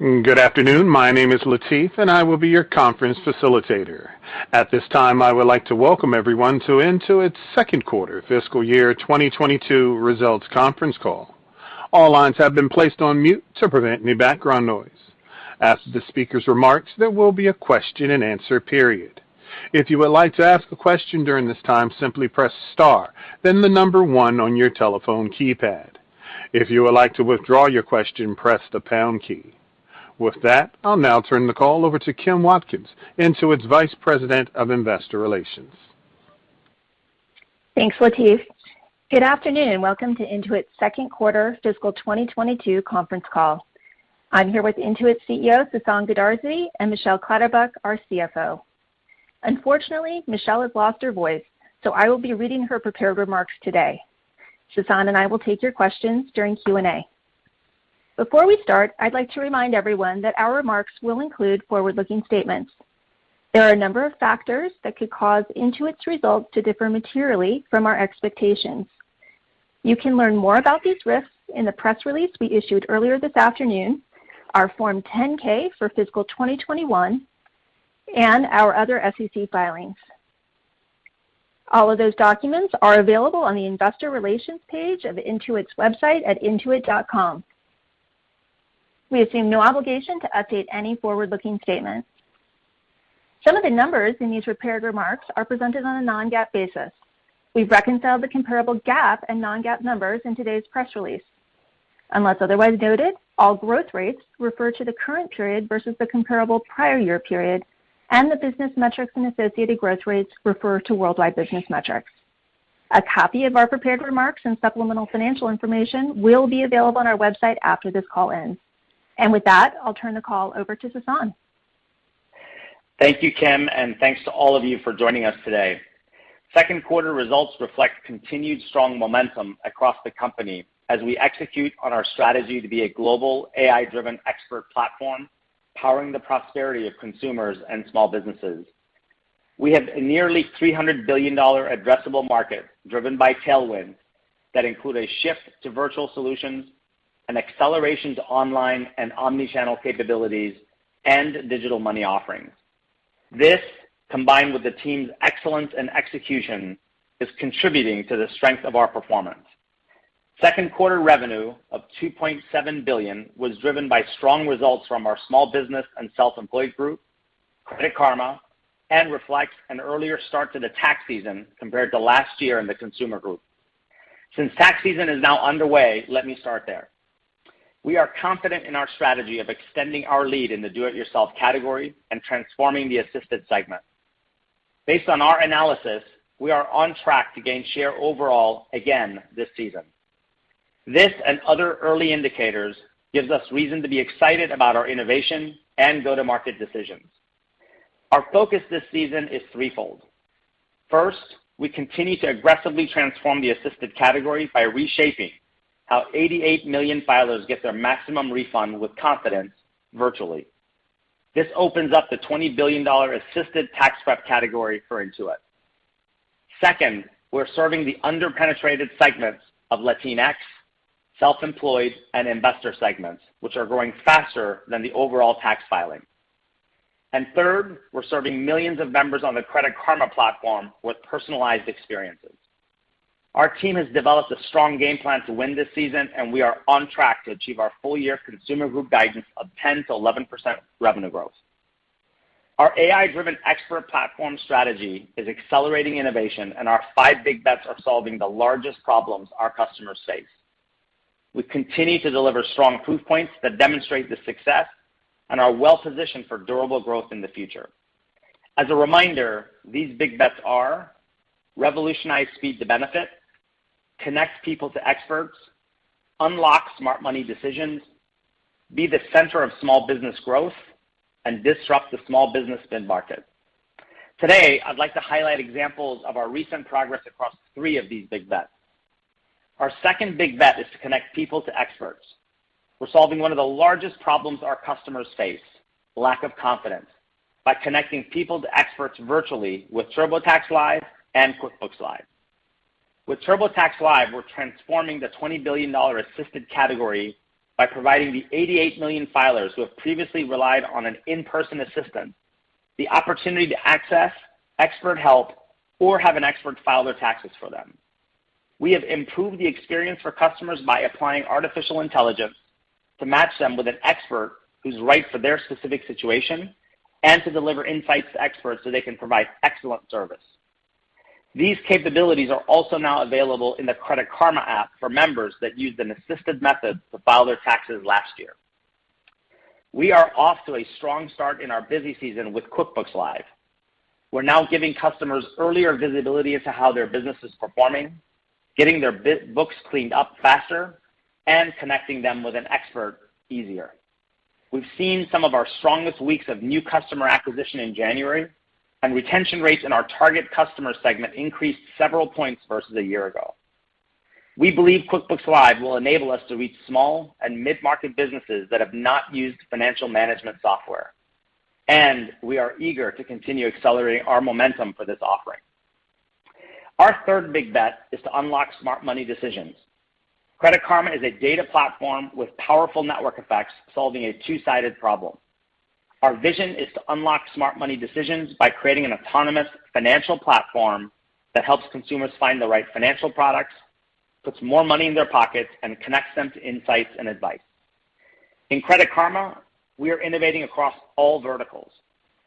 Good afternoon. My name is Latif, and I will be your conference facilitator. At this time, I would like to welcome everyone to Intuit's Q2 Fiscal Year 2022 Results Conference Call. All lines have been placed on mute to prevent any background noise. After the speaker's remarks, there will be a question-and-answer period. If you would like to ask a question during this time, simply press star then the number one on your telephone keypad. If you would like to withdraw your question, press the pound key. With that, I'll now turn the call over to Kim Watkins, Intuit's Vice President of Investor Relations. Thanks, Latif. Good afternoon. Welcome to Intuit's Q2 Fiscal 2022 Conference Call. I'm here with Intuit's CEO, Sasan Goodarzi, and Michelle Clatterbuck, our CFO. Unfortunately, Michelle has lost her voice, so I will be reading her prepared remarks today. Sasan and I will take your questions during Q&A. Before we start, I'd like to remind everyone that our remarks will include forward-looking statements. There are a number of factors that could cause Intuit's results to differ materially from our expectations. You can learn more about these risks in the press release we issued earlier this afternoon, our Form 10-K for fiscal 2021, and our other SEC filings. All of those documents are available on the investor relations page of Intuit's website at intuit.com. We assume no obligation to update any forward-looking statements. Some of the numbers in these prepared remarks are presented on a non-GAAP basis. We've reconciled the comparable GAAP and non-GAAP numbers in today's press release. Unless otherwise noted, all growth rates refer to the current period versus the comparable prior year period, and the business metrics and associated growth rates refer to worldwide business metrics. A copy of our prepared remarks and supplemental financial information will be available on our website after this call ends. With that, I'll turn the call over to Sasan. Thank you, Kim, and thanks to all of you for joining us today. Q2 results reflect continued strong momentum across the company as we execute on our strategy to be a global AI-driven expert platform, powering the prosperity of consumers and small businesses. We have a nearly $300 billion addressable market driven by tailwinds that include a shift to virtual solutions, an acceleration to online and omni-channel capabilities, and digital money offerings. This, combined with the team's excellence and execution, is contributing to the strength of our performance. Q2 revenue of $2.7 billion was driven by strong results from our small business and self-employed group, Credit Karma, and reflects an earlier start to the tax season compared to last year in the consumer group. Since tax season is now underway, let me start there. We are confident in our strategy of extending our lead in the do-it-yourself category and transforming the assisted segment. Based on our analysis, we are on track to gain share overall again this season. This and other early indicators gives us reason to be excited about our innovation and go-to-market decisions. Our focus this season is threefold. First, we continue to aggressively transform the assisted category by reshaping how 88 million filers get their maximum refund with confidence virtually. This opens up the $20 billion assisted tax prep category for Intuit. Second, we're serving the under-penetrated segments of Latinx, self-employed, and investor segments, which are growing faster than the overall tax filing. Third, we're serving millions of members on the Credit Karma platform with personalized experiences. Our team has developed a strong game plan to win this season, and we are on track to achieve our full-year consumer group guidance of 10%-11% revenue growth. Our AI-driven expert platform strategy is accelerating innovation, and our five big bets are solving the largest problems our customers face. We continue to deliver strong proof points that demonstrate this success and are well positioned for durable growth in the future. As a reminder, these big bets are revolutionize speed to benefit, connect people to experts, unlock smart money decisions, be the center of small business growth, and disrupt the small business spend market. Today, I'd like to highlight examples of our recent progress across three of these big bets. Our second big bet is to connect people to experts. We're solving one of the largest problems our customers face, lack of confidence, by connecting people to experts virtually with TurboTax Live and QuickBooks Live. With TurboTax Live, we're transforming the $20 billion assisted category by providing the 88 million filers who have previously relied on an in-person assistant the opportunity to access expert help or have an expert file their taxes for them. We have improved the experience for customers by applying artificial intelligence to match them with an expert who's right for their specific situation and to deliver insights to experts so they can provide excellent service. These capabilities are also now available in the Credit Karma app for members that used an assisted method to file their taxes last year. We are off to a strong start in our busy season with QuickBooks Live. We're now giving customers earlier visibility as to how their business is performing, getting their books cleaned up faster, and connecting them with an expert easier. We've seen some of our strongest weeks of new customer acquisition in January, and retention rates in our target customer segment increased several points versus a year ago. We believe QuickBooks Live will enable us to reach small and mid-market businesses that have not used financial management software, and we are eager to continue accelerating our momentum for this offering. Our third big bet is to unlock smart money decisions. Credit Karma is a data platform with powerful network effects solving a two-sided problem. Our vision is to unlock smart money decisions by creating an autonomous financial platform that helps consumers find the right financial products, puts more money in their pockets, and connects them to insights and advice. In Credit Karma, we are innovating across all verticals.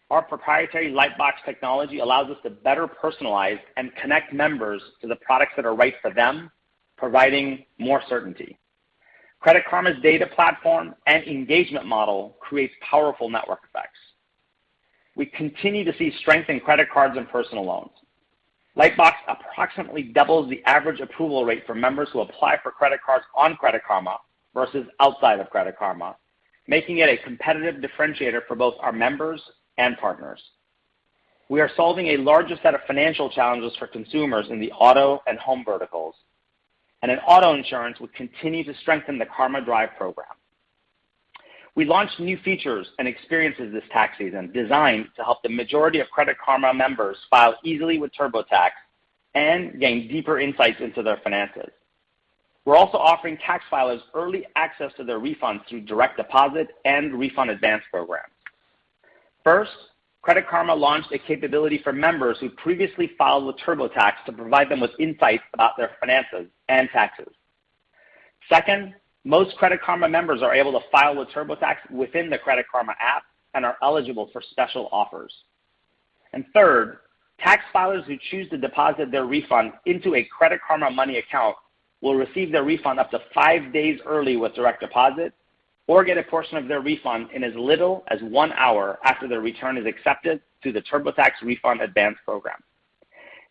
Our proprietary Lightbox technology allows us to better personalize and connect members to the products that are right for them, providing more certainty. Credit Karma's data platform and engagement model creates powerful network effects. We continue to see strength in credit cards and personal loans. Lightbox approximately doubles the average approval rate for members who apply for credit cards on Credit Karma versus outside of Credit Karma, making it a competitive differentiator for both our members and partners. We are solving a larger set of financial challenges for consumers in the auto and home verticals, and in auto insurance, we continue to strengthen the Karma Drive program. We launched new features and experiences this tax season designed to help the majority of Credit Karma members file easily with TurboTax and gain deeper insights into their finances. We're also offering tax filers early access to their refunds through direct deposit and Refund Advance program. First, Credit Karma launched a capability for members who previously filed with TurboTax to provide them with insights about their finances and taxes. Second, most Credit Karma members are able to file with TurboTax within the Credit Karma app and are eligible for special offers. Third, tax filers who choose to deposit their refund into a Credit Karma Money account will receive their refund up to five days early with direct deposit or get a portion of their refund in as little as one hour after their return is accepted through the TurboTax Refund Advance program.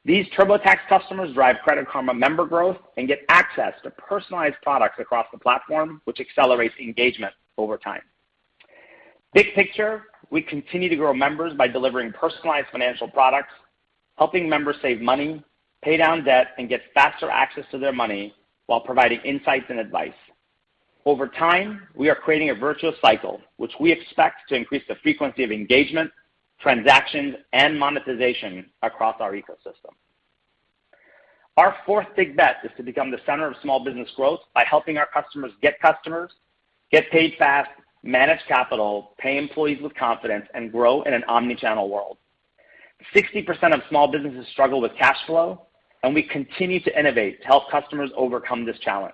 These TurboTax customers drive Credit Karma member growth and get access to personalized products across the platform, which accelerates engagement over time. big picture, we continue to grow members by delivering personalized financial products, helping members save money, pay down debt, and get faster access to their money while providing insights and advice. Over time, we are creating a virtuous cycle, which we expect to increase the frequency of engagement, transactions, and monetization across our ecosystem. Our fourth big bet is to become the center of small business growth by helping our customers get customers, get paid fast, manage capital, pay employees with confidence, and grow in an omnichannel world. 60% of small businesses struggle with cash flow, and we continue to innovate to help customers overcome this challenge.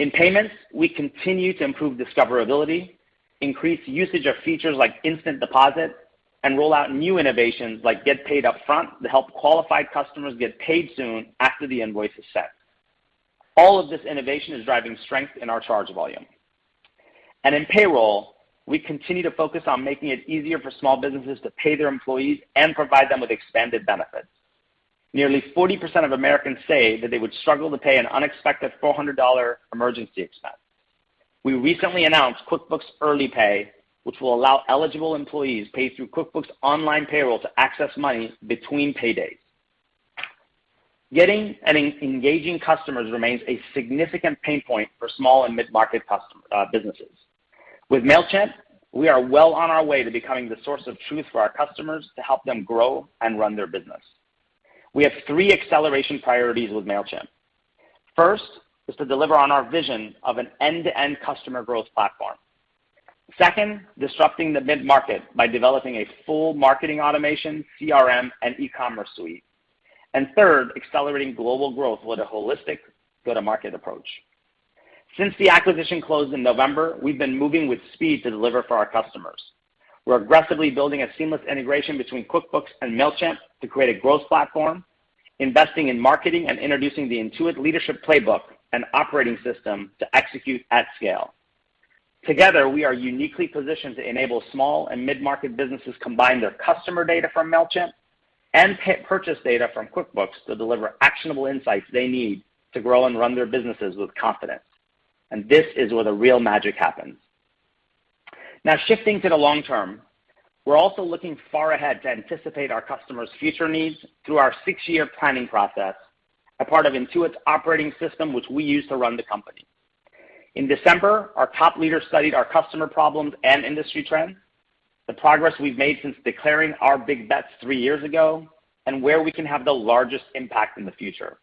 In payments, we continue to improve discoverability, increase usage of features like instant deposit, and roll out new innovations like Get Paid Upfront to help qualified customers get paid soon after the invoice is set. All of this innovation is driving strength in our charge volume. In payroll, we continue to focus on making it easier for small businesses to pay their employees and provide them with expanded benefits. Nearly 40% of Americans say that they would struggle to pay an unexpected $400 emergency expense. We recently announced QuickBooks Early Pay, which will allow eligible employees paid through QuickBooks Online Payroll to access money between paydays. Getting and engaging customers remains a significant pain point for small and mid-market businesses. With Mailchimp, we are well on our way to becoming the source of truth for our customers to help them grow and run their business. We have three acceleration priorities with Mailchimp. First, is to deliver on our vision of an end-to-end customer growth platform. Second, disrupting the mid-market by developing a full marketing automation, CRM, and e-commerce suite. Third, accelerating global growth with a holistic go-to-market approach. Since the acquisition closed in November, we've been moving with speed to deliver for our customers. We're aggressively building a seamless integration between QuickBooks and Mailchimp to create a growth platform, investing in marketing, and introducing the Intuit leadership playbook and operating system to execute at scale. Together, we are uniquely positioned to enable small and mid-market businesses combine their customer data from Mailchimp and purchase data from QuickBooks to deliver actionable insights they need to grow and run their businesses with confidence. This is where the real magic happens. Now shifting to the long term, we're also looking far ahead to anticipate our customers' future needs through our six-year planning process, a part of Intuit's operating system which we use to run the company. In December, our top leaders studied our customer problems and industry trends, the progress we've made since declaring our big bets three years ago, and where we can have the largest impact in the future.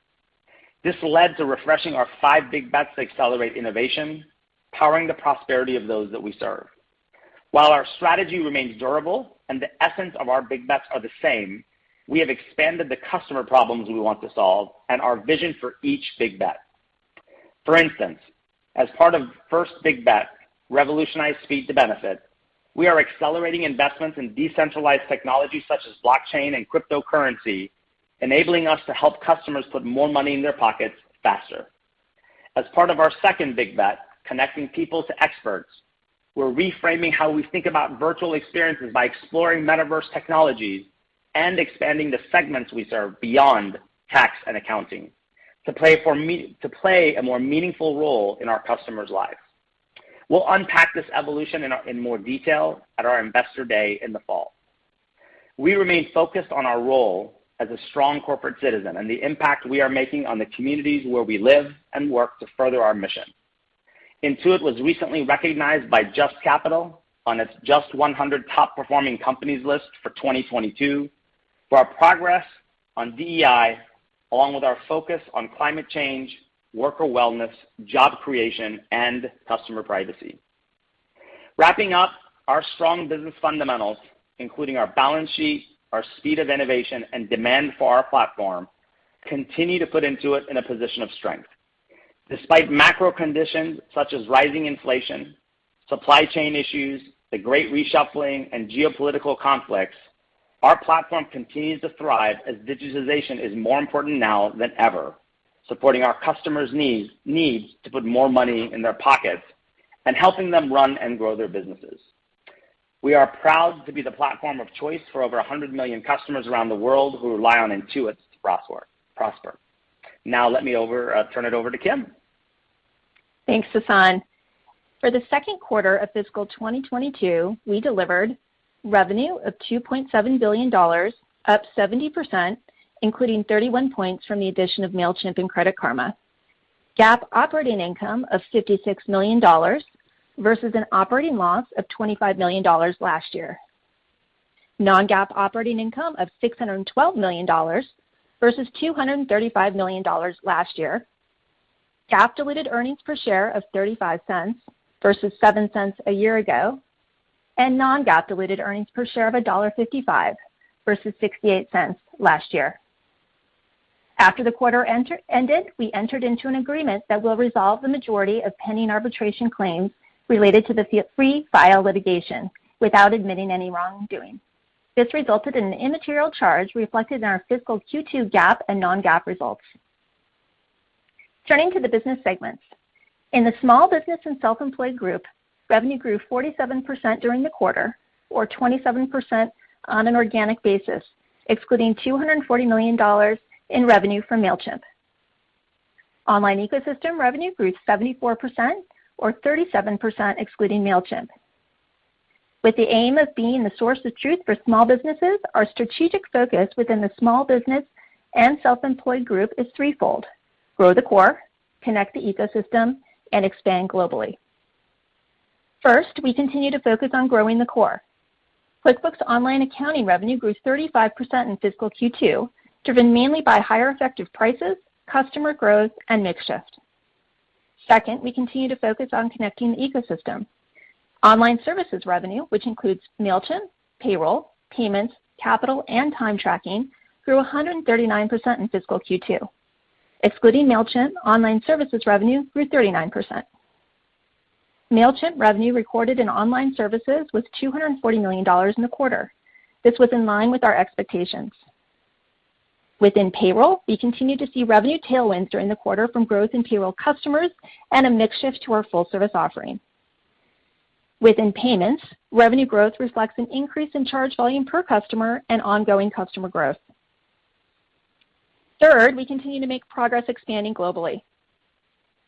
This led to refreshing our five big bets to accelerate innovation, powering the prosperity of those that we serve. While our strategy remains durable and the essence of our big bets are the same, we have expanded the customer problems we want to solve and our vision for each big bet. For instance, as part of first big bet, revolutionize speed to benefit, we are accelerating investments in decentralized technologies such as blockchain and cryptocurrency, enabling us to help customers put more money in their pockets faster. As part of our second big bet, connecting people to experts, we're reframing how we think about virtual experiences by exploring Metaverse technologies and expanding the segments we serve beyond tax and accounting to play a more meaningful role in our customers' lives. We'll unpack this evolution in more detail at our Investor Day in the fall. We remain focused on our role as a strong corporate citizen and the impact we are making on the communities where we live and work to further our mission. Intuit was recently recognized by JUST Capital on its JUST 100 Top Performing Companies list for 2022 for our progress on DEI, along with our focus on climate change, worker wellness, job creation, and customer privacy. Wrapping up, our strong business fundamentals, including our balance sheet, our speed of innovation, and demand for our platform, continue to put Intuit in a position of strength. Despite macro conditions such as rising inflation, supply chain issues, the great reshuffling, and geopolitical conflicts, our platform continues to thrive as digitization is more important now than ever, supporting our customers' needs to put more money in their pockets and helping them run and grow their businesses. We are proud to be the platform of choice for over 100 million customers around the world who rely on Intuit to prosper. Now let me turn it over to Kim. Thanks, Sasan. For the Q2 of fiscal 2022, we delivered revenue of $2.7 billion, up 70%, including 31 points from the addition of Mailchimp and Credit Karma. GAAP operating income of $56 million versus an operating loss of $25 million last year. Non-GAAP operating income of $612 million versus $235 million last year. GAAP diluted earnings per share of $0.35 versus $0.07 a year ago, and non-GAAP diluted earnings per share of $1.55 versus $0.68 last year. After the quarter ended, we entered into an agreement that will resolve the majority of pending arbitration claims related to the Free File litigation without admitting any wrongdoing. This resulted in an immaterial charge reflected in our fiscal Q2 GAAP and non-GAAP results. Turning to the business segments. In the small business and self-employed group, revenue grew 47% during the quarter or 27% on an organic basis, excluding $240 million in revenue from Mailchimp. Online ecosystem revenue grew 74% or 37% excluding Mailchimp. With the aim of being the source of truth for small businesses, our strategic focus within the small business and self-employed group is threefold. Grow the core, connect the ecosystem, and expand globally. First, we continue to focus on growing the core. QuickBooks Online accounting revenue grew 35% in fiscal Q2, driven mainly by higher effective prices, customer growth, and mix shift. Second, we continue to focus on connecting the ecosystem. Online services revenue, which includes Mailchimp, Payroll, Payments, Capital, and Time Tracking, grew 139% in fiscal Q2. Excluding Mailchimp, online services revenue grew 39%. Mailchimp revenue recorded in Online Services was $240 million in the quarter. This was in line with our expectations. Within Payroll, we continued to see revenue tailwinds during the quarter from growth in payroll customers and a mix shift to our full service offering. Within Payments, revenue growth reflects an increase in charge volume per customer and ongoing customer growth. Third, we continue to make progress expanding globally.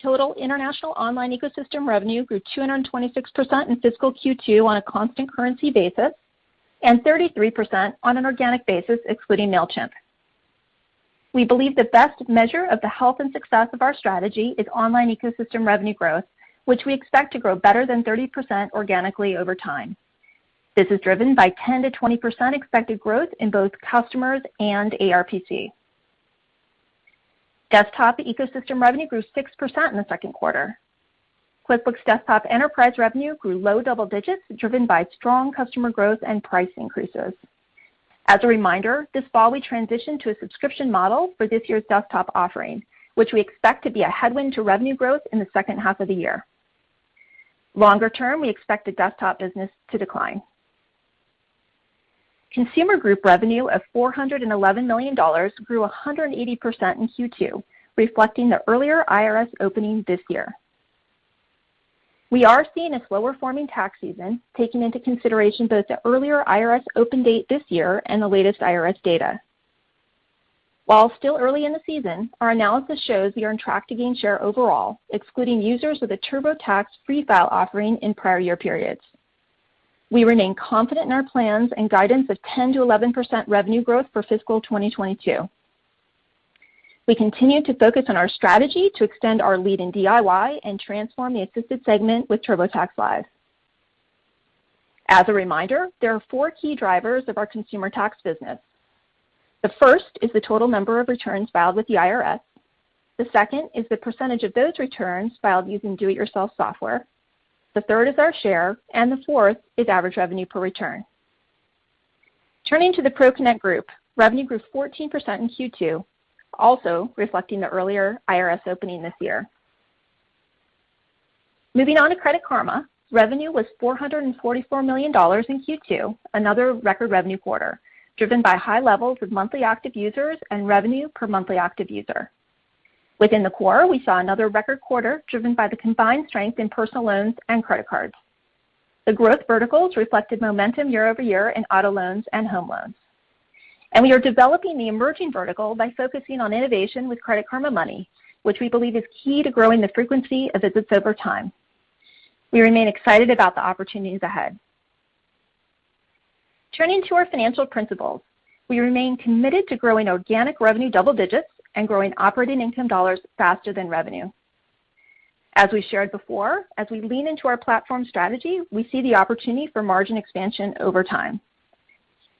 Total international online ecosystem revenue grew 226% in fiscal Q2 on a constant currency basis and 33% on an organic basis excluding Mailchimp. We believe the best measure of the health and success of our strategy is online ecosystem revenue growth, which we expect to grow better than 30% organically over time. This is driven by 10%-20% expected growth in both customers and ARPC. Desktop ecosystem revenue grew 6% in the Q2. QuickBooks Desktop enterprise revenue grew low double digits, driven by strong customer growth and price increases. As a reminder, this fall we transitioned to a subscription model for this year's Desktop offering, which we expect to be a headwind to revenue growth in the second half of the year. Longer term, we expect the Desktop business to decline. Consumer group revenue of $411 million grew 180% in Q2, reflecting the earlier IRS opening this year. We are seeing a slower forming tax season, taking into consideration both the earlier IRS open date this year and the latest IRS data. While still early in the season, our analysis shows we are on track to gain share overall, excluding users with a TurboTax Free File offering in prior year periods. We remain confident in our plans and guidance of 10%-11% revenue growth for fiscal 2022. We continue to focus on our strategy to extend our lead in DIY and transform the assisted segment with TurboTax Live. As a reminder, there are four key drivers of our consumer tax business. The first is the total number of returns filed with the IRS. The second is the percentage of those returns filed using do it yourself software. The third is our share, and the fourth is average revenue per return. Turning to the ProConnect group, revenue grew 14% in Q2, also reflecting the earlier IRS opening this year. Moving on to Credit Karma, revenue was $444 million in Q2, another record revenue quarter, driven by high levels of monthly active users and revenue per monthly active user. Within the core, we saw another record quarter driven by the combined strength in personal loans and credit cards. The growth verticals reflected momentum year-over-year in auto loans and home loans. We are developing the emerging vertical by focusing on innovation with Credit Karma Money, which we believe is key to growing the frequency of visits over time. We remain excited about the opportunities ahead. Turning to our financial principles, we remain committed to growing organic revenue double digits and growing operating income dollars faster than revenue. As we shared before, as we lean into our platform strategy, we see the opportunity for margin expansion over time.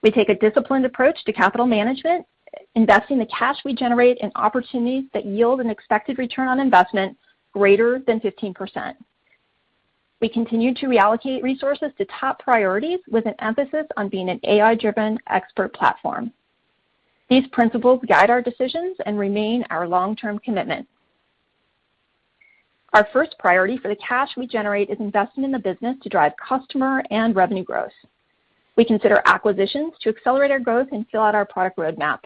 We take a disciplined approach to capital management, investing the cash we generate in opportunities that yield an expected return on investment greater than 15%. We continue to reallocate resources to top priorities with an emphasis on being an AI-driven expert platform. These principles guide our decisions and remain our long-term commitment. Our first priority for the cash we generate is investing in the business to drive customer and revenue growth. We consider acquisitions to accelerate our growth and fill out our product roadmap.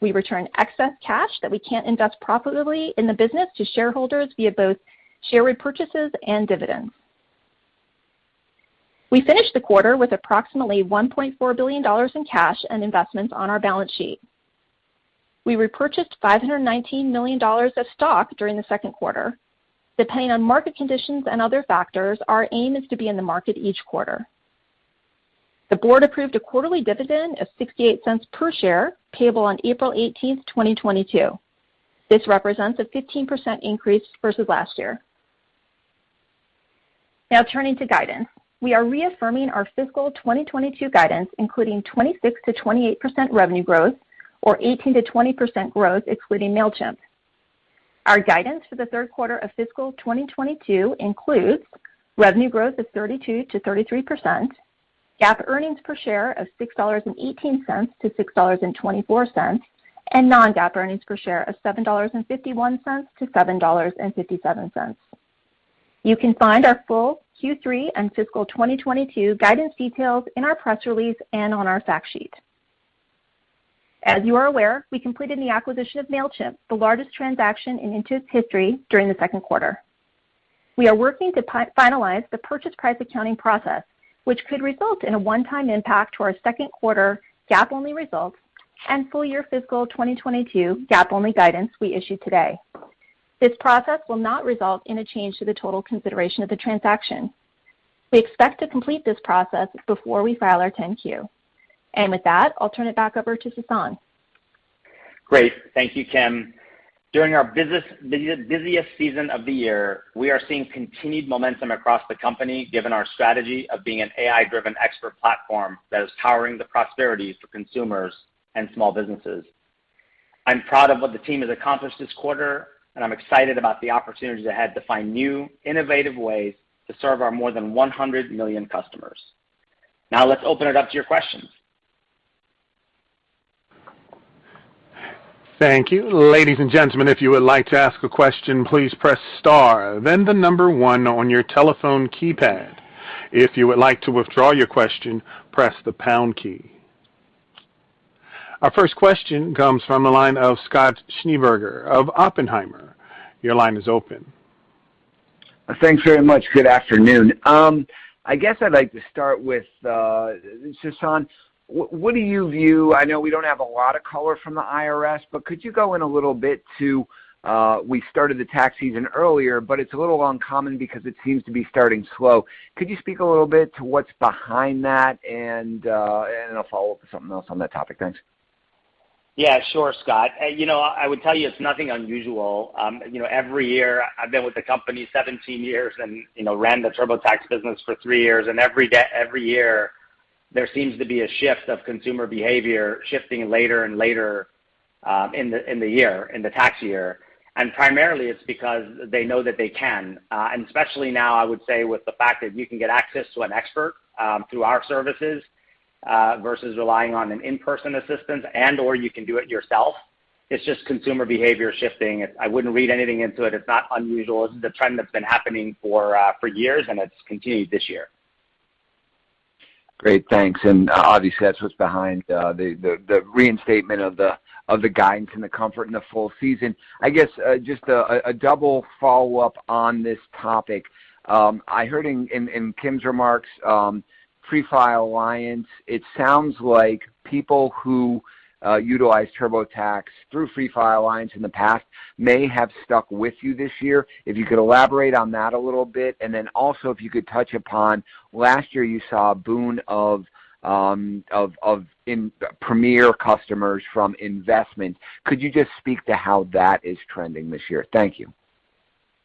We return excess cash that we can't invest profitably in the business to shareholders via both share repurchases and dividends. We finished the quarter with approximately $1.4 billion in cash and investments on our balance sheet. We repurchased $519 million of stock during the Q2. Depending on market conditions and other factors, our aim is to be in the market each quarter. The Board approved a quarterly dividend of $0.68 per share, payable on April 18, 2022. This represents a 15% increase versus last year. Now turning to guidance, we are reaffirming our fiscal 2022 guidance, including 26%-28% revenue growth, or 18%-20% growth excluding Mailchimp. Our guidance for the Q3 of fiscal 2022 includes, revenue growth of 32%-33%, GAAP earnings per share of $6.18-$6.24, and non-GAAP earnings per share of $7.51-$7.57. You can find our full Q3 and fiscal 2022 guidance details in our press release and on our fact sheet. As you are aware, we completed the acquisition of Mailchimp, the largest transaction in Intuit's history, during the Q2. We are working to finalize the purchase price accounting process, which could result in a one-time impact to our Q2 GAAP-only results and full year fiscal 2022 GAAP-only guidance we issued today. This process will not result in a change to the total consideration of the transaction. We expect to complete this process before we file our 10-Q. With that, I'll turn it back over to Sasan. Great. Thank you, Kim. During our busiest season of the year, we are seeing continued momentum across the company given our strategy of being an AI-driven expert platform that is powering prosperity for consumers and small businesses. I'm proud of what the team has accomplished this quarter, and I'm excited about the opportunities ahead to find new, innovative ways to serve our more than 100 million customers. Now let's open it up to your questions. Thank you. Ladies and gentlemen, if you would like to ask a question, please press star then the number one on your telephone keypad. If you would like to withdraw your question, press the pound key. Our first question comes from the line of Scott Schneeberger of Oppenheimer. Your line is open. Thanks very much. Good afternoon. I guess I'd like to start with Sasan, what do you view. I know we don't have a lot of color from the IRS, but could you go in a little bit to we started the tax season earlier, but it's a little uncommon because it seems to be starting slow. Could you speak a little bit to what's behind that? I'll follow up with something else on that topic. Thanks. Yeah, sure, Scott. You know, I would tell you it's nothing unusual. You know, every year I've been with the company 17 years and, you know, ran the TurboTax business for three years, and every year, there seems to be a shift of consumer behavior shifting later and later, in the year, in the tax year. Primarily it's because they know that they can, and especially now, I would say, with the fact that you can get access to an expert, through our services, versus relying on an in-person assistance and/or you can do it yourself. It's just consumer behavior shifting. I wouldn't read anything into it. It's not unusual. It's the trend that's been happening for years, and it's continued this year. Great. Thanks. Obviously that's what's behind the reinstatement of the guidance and the comfort in the full season. I guess just a double follow-up on this topic. I heard in Kim's remarks Free File Alliance. It sounds like people who utilize TurboTax through Free File Alliance in the past may have stuck with you this year. If you could elaborate on that a little bit, and then also if you could touch upon last year you saw a boon of premier customers from investment. Could you just speak to how that is trending this year? Thank you.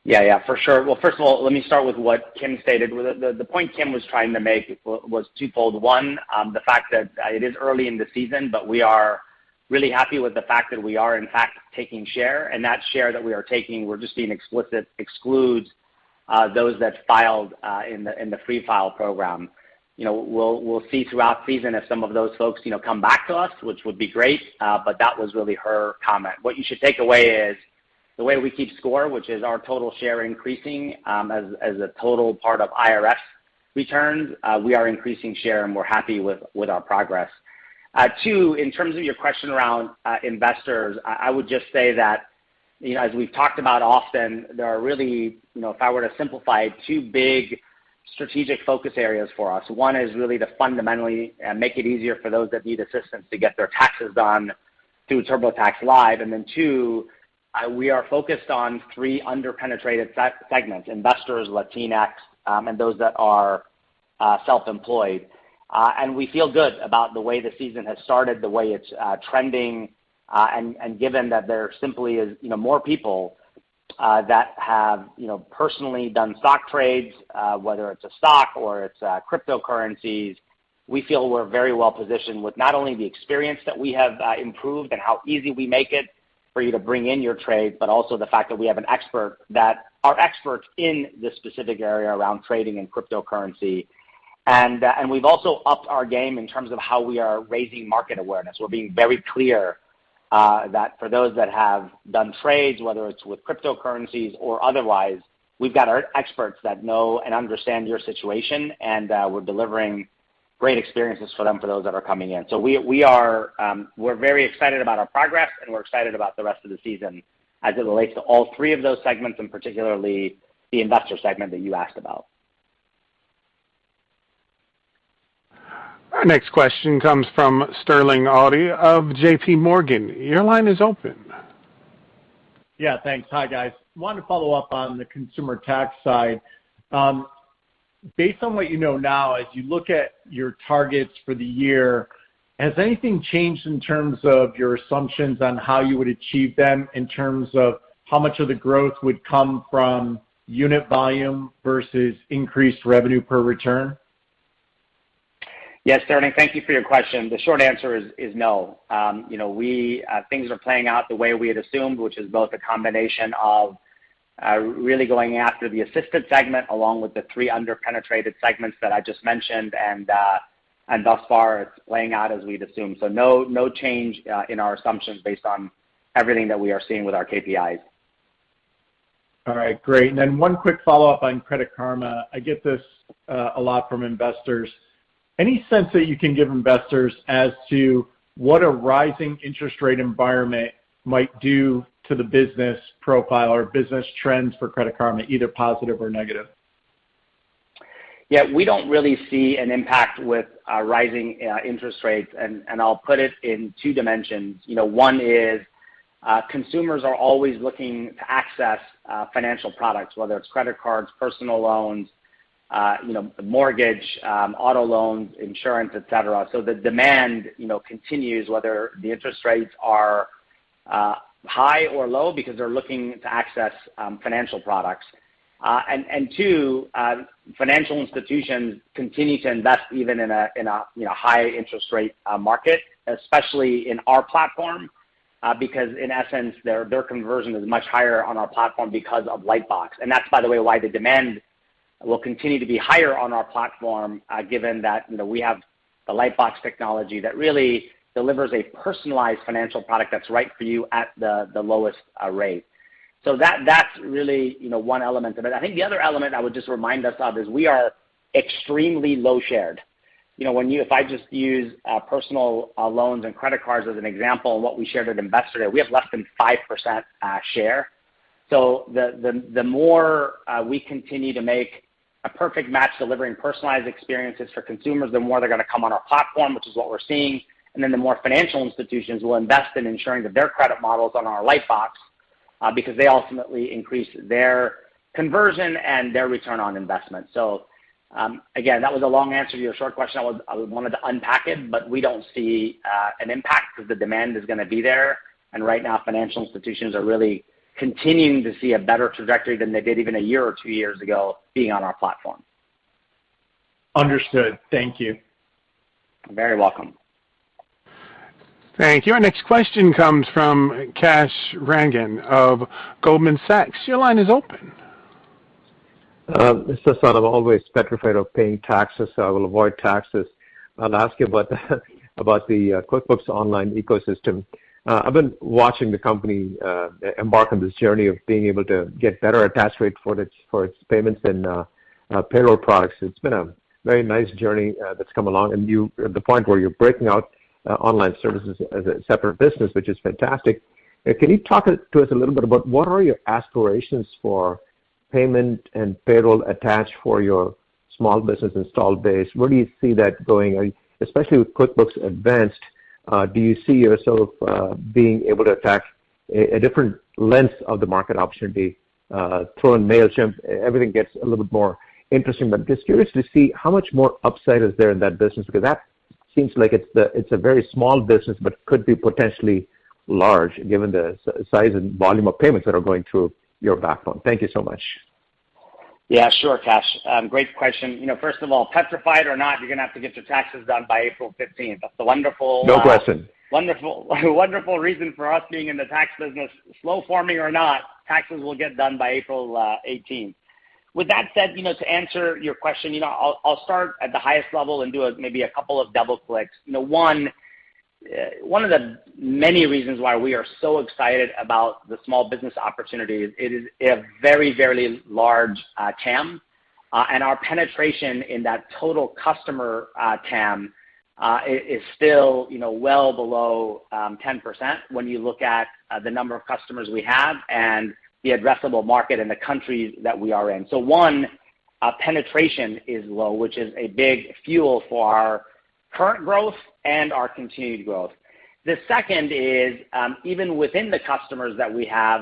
Yeah, yeah. For sure. Well, first of all, let me start with what Kim stated. The point Kim was trying to make was twofold. One, the fact that it is early in the season, but we are really happy with the fact that we are in fact taking share, and that share that we are taking, we're just being explicit, excludes those that filed in the Free File program. You know, we'll see throughout season if some of those folks come back to us, which would be great. But that was really her comment. What you should take away is the way we keep score, which is our total share increasing as a total part of IRS returns, we are increasing share, and we're happy with our progress. Two, in terms of your question around investors, I would just say that, you know, as we've talked about often, there are really, you know, if I were to simplify it, two big strategic focus areas for us. One is really to fundamentally make it easier for those that need assistance to get their taxes done through TurboTax Live. Then two, we are focused on three under-penetrated segments, investors, Latinx, and those that are self-employed. We feel good about the way the season has started, the way it's trending. Given that there simply is, you know, more people that have, you know, personally done stock trades, whether it's a stock or it's cryptocurrencies, we feel we're very well positioned with not only the experience that we have improved and how easy we make it for you to bring in your trade, but also the fact that we have an expert that are experts in this specific area around trading and cryptocurrency. We've also upped our game in terms of how we are raising market awareness. We're being very clear that for those that have done trades, whether it's with cryptocurrencies or otherwise, we've got our experts that know and understand your situation, and we're delivering great experiences for them for those that are coming in. We're very excited about our progress, and we're excited about the rest of the season as it relates to all three of those segments, and particularly the investor segment that you asked about. Our next question comes from Sterling Auty of JPMorgan. Your line is open. Yeah, thanks. Hi, guys. I wanted to follow up on the consumer tax side. Based on what you know now, as you look at your targets for the year, has anything changed in terms of your assumptions on how you would achieve them in terms of how much of the growth would come from unit volume versus increased revenue per return? Yes, Sterling, thank you for your question. The short answer is no. You know, things are playing out the way we had assumed, which is both a combination of really going after the assistant segment, along with the three under-penetrated segments that I just mentioned, and thus far it's playing out as we'd assumed. No change in our assumptions based on everything that we are seeing with our KPIs. All right, great. One quick follow-up on Credit Karma. I get this, a lot from investors. Any sense that you can give investors as to what a rising interest rate environment might do to the business profile or business trends for Credit Karma, either positive or negative? Yeah, we don't really see an impact with rising interest rates, and I'll put it in two dimensions. You know, one is consumers are always looking to access financial products, whether it's credit cards, personal loans, you know, mortgage, auto loans, insurance, et cetera. The demand, you know, continues whether the interest rates are high or low because they're looking to access financial products. Two, financial institutions continue to invest even in a high interest rate market, especially in our platform, because in essence, their conversion is much higher on our platform because of Lightbox. That's by the way why the demand will continue to be higher on our platform, given that, you know, we have the Lightbox technology that really delivers a personalized financial product that's right for you at the lowest rate. That's really, you know, one element of it. I think the other element I would just remind us of is we are extremely low share. You know, if I just use personal loans and credit cards as an example and what we shared with investors, we have less than 5% share. The more we continue to make a perfect match delivering personalized experiences for consumers, the more they're going to come on our platform, which is what we're seeing. The more financial institutions will invest in ensuring that their credit model is on our Lightbox, because they ultimately increase their conversion and their return on investment. Again, that was a long answer to your short question. I wanted to unpack it, but we don't see an impact because the demand is going to be there. Right now, financial institutions are really continuing to see a better trajectory than they did even a year or two years ago being on our platform. Understood. Thank you. You're very welcome. Thank you. Our next question comes from Kash Rangan of Goldman Sachs. Your line is open. This is Kash. I'm always petrified of paying taxes, so I will avoid taxes. I'll ask you about the QuickBooks Online ecosystem. I've been watching the company embark on this journey of being able to get better attach rate for its payments and payroll products. It's been a very nice journey that's come along, and you're at the point where you're breaking out online services as a separate business, which is fantastic. Can you talk to us a little bit about what are your aspirations for payment and payroll attached for your small business installed base? Where do you see that going, especially with QuickBooks Advanced, do you see yourself being able to attack a different length of the market opportunity, throw in Mailchimp, everything gets a little bit more interesting. Just curious to see how much more upside is there in that business, because that seems like it's a very small business but could be potentially large given the size and volume of payments that are going through your backbone. Thank you so much. Yeah, sure, Kash. Great question. You know, first of all, petrified or not, you're going to have to get your taxes done by April 15th. That's a wonderful. No question. Wonderful, wonderful reason for us being in the tax business. Slow forming or not, taxes will get done by April 18th. With that said, you know, to answer your question, you know, I'll start at the highest level and do maybe a couple of double clicks. You know, one of the many reasons why we are so excited about the small business opportunity is it is a very, very large TAM, and our penetration in that total customer TAM is still, you know, well below 10% when you look at the number of customers we have and the addressable market in the countries that we are in. One, our penetration is low, which is a big fuel for our current growth and our continued growth. The second is, even within the customers that we have,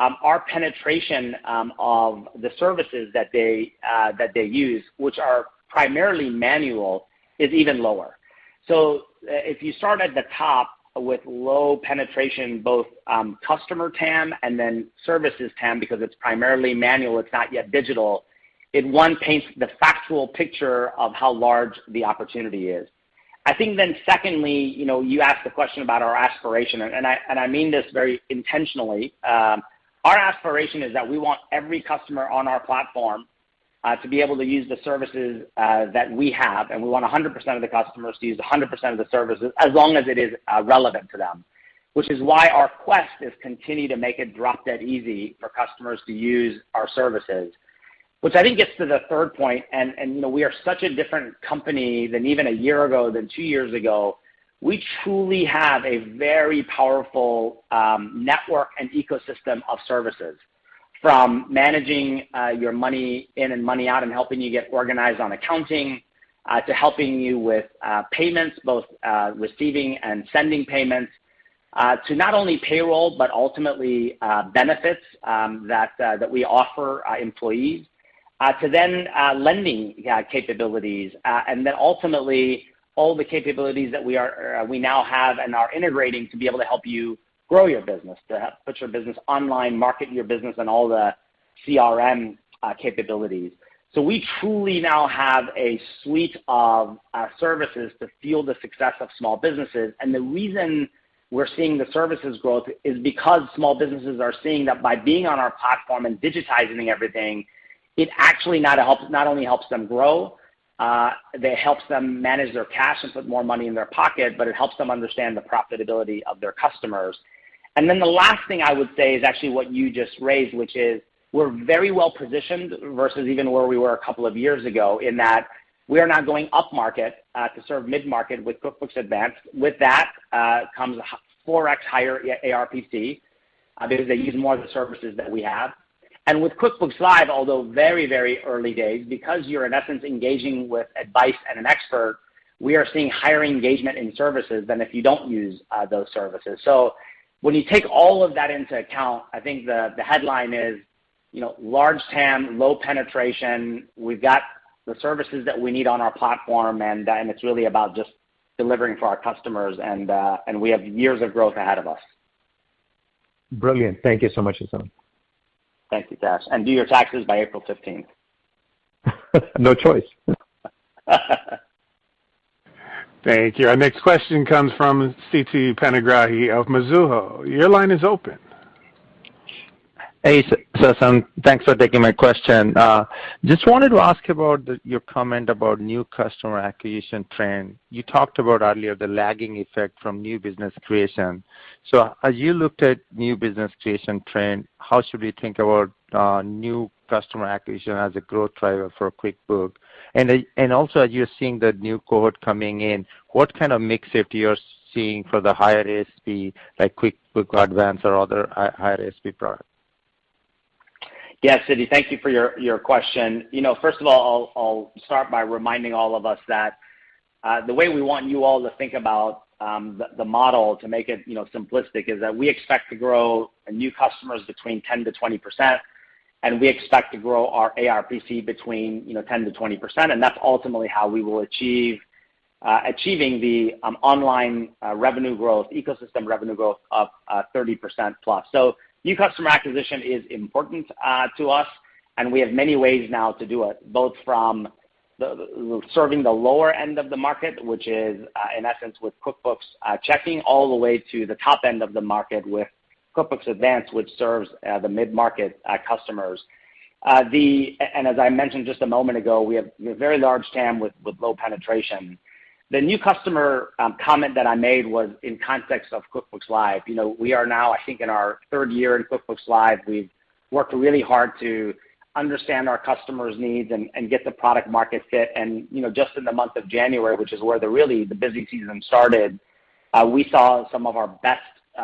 our penetration of the services that they use, which are primarily manual, is even lower. If you start at the top with low penetration, both customer TAM and then services TAM, because it's primarily manual, it's not yet digital, it paints the factual picture of how large the opportunity is. I think secondly, you know, you asked the question about our aspiration, and I mean this very intentionally. Our aspiration is that we want every customer on our platform to be able to use the services that we have, and we want 100% of the customers to use 100% of the services as long as it is relevant to them. Which is why our quest is to continue to make it drop-dead easy for customers to use our services, which I think gets to the third point, and you know, we are such a different company than even a year ago, than two years ago. We truly have a very powerful network and ecosystem of services. From managing your money in and money out and helping you get organized on accounting, to helping you with payments, both receiving and sending payments to not only payroll, but ultimately benefits that we offer our employees to then lending, yeah, capabilities. Ultimately all the capabilities that we now have and are integrating to be able to help you grow your business, to help put your business online, market your business, and all the CRM capabilities. We truly now have a suite of services to fuel the success of small businesses, and the reason we're seeing the services growth, is because small businesses are seeing that by being on our platform and digitizing everything, it actually not only helps them grow, it helps them manage their cash and put more money in their pocket, but it helps them understand the profitability of their customers. The last thing I would say is actually what you just raised, which is we're very well-positioned versus even where we were a couple of years ago in that we are now going upmarket to serve mid-market with QuickBooks Advanced. With that comes a 4x higher ARPC because they use more of the services that we have. With QuickBooks Live, although very, very early days, because you're in essence engaging with advice and an expert, we are seeing higher engagement in services than if you don't use those services. When you take all of that into account, I think the headline is, you know, large TAM, low penetration. We've got the services that we need on our platform, and it's really about just delivering for our customers and we have years of growth ahead of us. Brilliant. Thank you so much, Sasan. Thank you, Kash, and do your taxes by April 15th. No choice. Thank you. Our next question comes from Siti Panigrahi of Mizuho. Your line is open. Hey, Sasan. Thanks for taking my question. Just wanted to ask about your comment about new customer acquisition trend. You talked about earlier the lagging effect from new business creation. As you looked at new business creation trend, how should we think about new customer acquisition as a growth driver for QuickBooks? And also, as you're seeing the new cohort coming in, what kind of mix are you seeing for the higher SP like QuickBooks Advanced or other higher SP products? Yeah, Sit, thank you for your question. You know, first of all, I'll start by reminding all of us that the way we want you all to think about the model to make it, you know, simplistic, is that we expect to grow new customers between 10%-20%, and we expect to grow our ARPC between, you know, 10%-20%, and that's ultimately how we will achieve the online revenue growth, ecosystem revenue growth of 30%+. New customer acquisition is important to us, and we have many ways now to do it, both from the serving the lower end of the market, which is in essence with QuickBooks checking, all the way to the top end of the market with QuickBooks Advanced, which serves the mid-market customers. As I mentioned just a moment ago, we have very large TAM with low penetration. The new customer comment that I made was in context of QuickBooks Live. You know, we are now, I think, in our third year in QuickBooks Live. We've worked really hard to understand our customers' needs and get the product market fit. You know, just in the month of January, which is where really the busy season started, we saw some of our best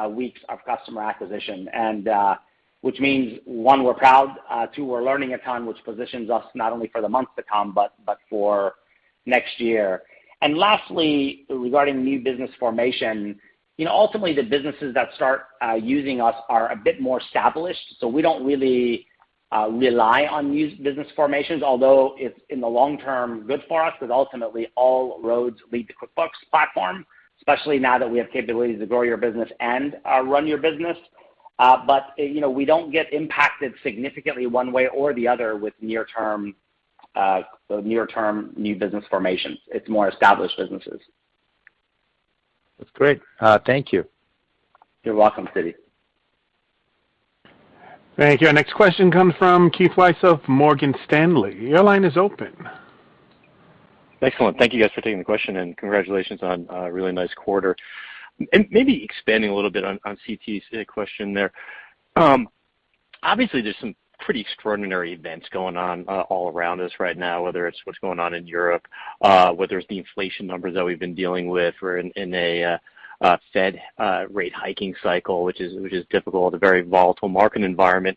weeks of customer acquisition, which means, one, we're proud, two, we're learning a ton, which positions us not only for the months to come, but for next year. Lastly, regarding new business formation, you know, ultimately the businesses that start using us are a bit more established, so we don't really rely on new business formations, although it's in the long term good for us, because ultimately all roads lead to QuickBooks platform, especially now that we have capabilities to grow your business and run your business. But, you know, we don't get impacted significantly one way or the other with near-term new business formations. It's more established businesses. That's great. Thank you. You're welcome, Siti. Thank you. Our next question comes from Keith Weiss of Morgan Stanley. Your line is open. Excellent. Thank you guys for taking the question, and congratulations on a really nice quarter. Maybe expanding a little bit on Siti's question there. Obviously there's some pretty extraordinary events going on all around us right now, whether it's what's going on in Europe, whether it's the inflation numbers that we've been dealing with. We're in a Fed rate hiking cycle, which is difficult. A very volatile market environment.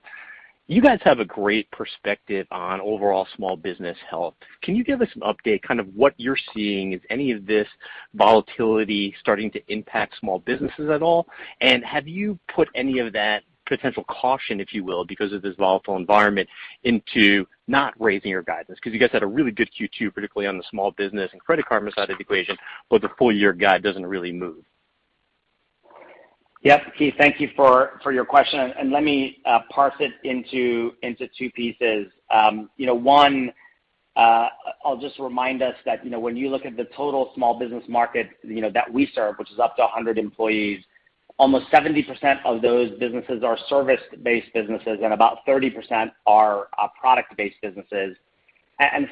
You guys have a great perspective on overall small business health. Can you give us an update, kind of what you're seeing? Is any of this volatility starting to impact small businesses at all? Have you put any of that potential caution, if you will, because of this volatile environment into not raising your guidance? Because you guys had a really good Q2, particularly on the small business and Credit Karma side of the equation, but the full year guide doesn't really move. Yes, Keith, thank you for your question, and let me parse it into two pieces. You know, one, I'll just remind us that, you know, when you look at the total small business market, you know, that we serve, which is up to 100 employees, almost 70% of those businesses are service-based businesses, and about 30% are product-based businesses.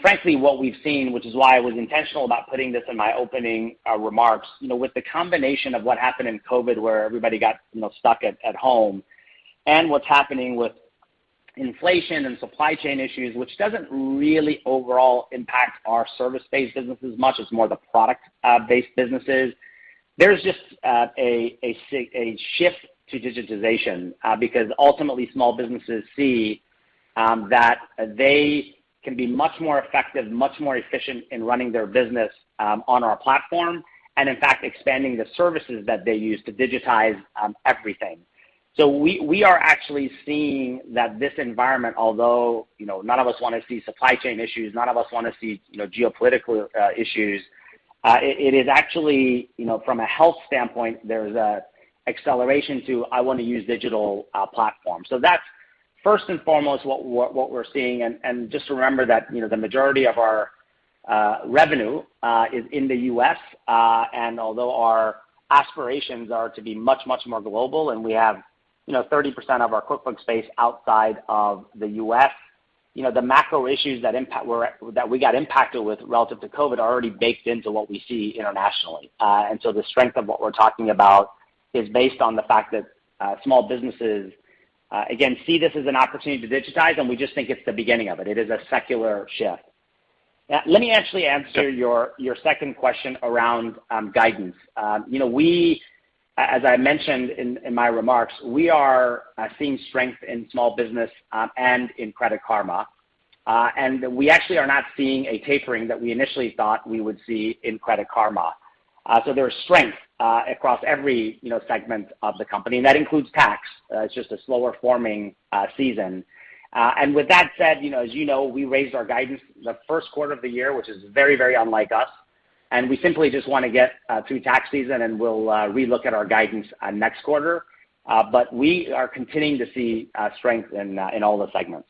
Frankly, what we've seen, which is why I was intentional about putting this in my opening remarks, you know, with the combination of what happened in COVID, where everybody got stuck at home, and what's happening with inflation and supply chain issues, which doesn't really overall impact our service-based business as much as more the product-based businesses. There's just a shift to digitization because ultimately small businesses see that they can be much more effective, much more efficient in running their business on our platform, and in fact expanding the services that they use to digitize everything. We are actually seeing that this environment, although you know none of us want to see supply chain issues, none of us want to see you know geopolitical issues, it is actually you know from a health standpoint, there's an acceleration to, I want to use digital platform. That's first and foremost what we're seeing. Just to remember that, you know, the majority of our revenue is in the U.S., and although our aspirations are to be much, much more global, and we have, you know, 30% of our QuickBooks space outside of the U.S., you know, the macro issues that we got impacted with relative to COVID are already baked into what we see internationally. The strength of what we're talking about is based on the fact that small businesses again see this as an opportunity to digitize, and we just think it's the beginning of it. It is a secular shift. Let me actually answer your second question around guidance. You know, as I mentioned in my remarks, we are seeing strength in small business and in Credit Karma. We actually are not seeing a tapering that we initially thought we would see in Credit Karma. So there is strength across every, you know, segment of the company, and that includes tax. It's just a slower forming season. With that said, you know, as you know, we raised our guidance the first quarter of the year, which is very, very unlike us, and we simply just want to get through tax season, and we'll relook at our guidance on next quarter. We are continuing to see strength in all the segments.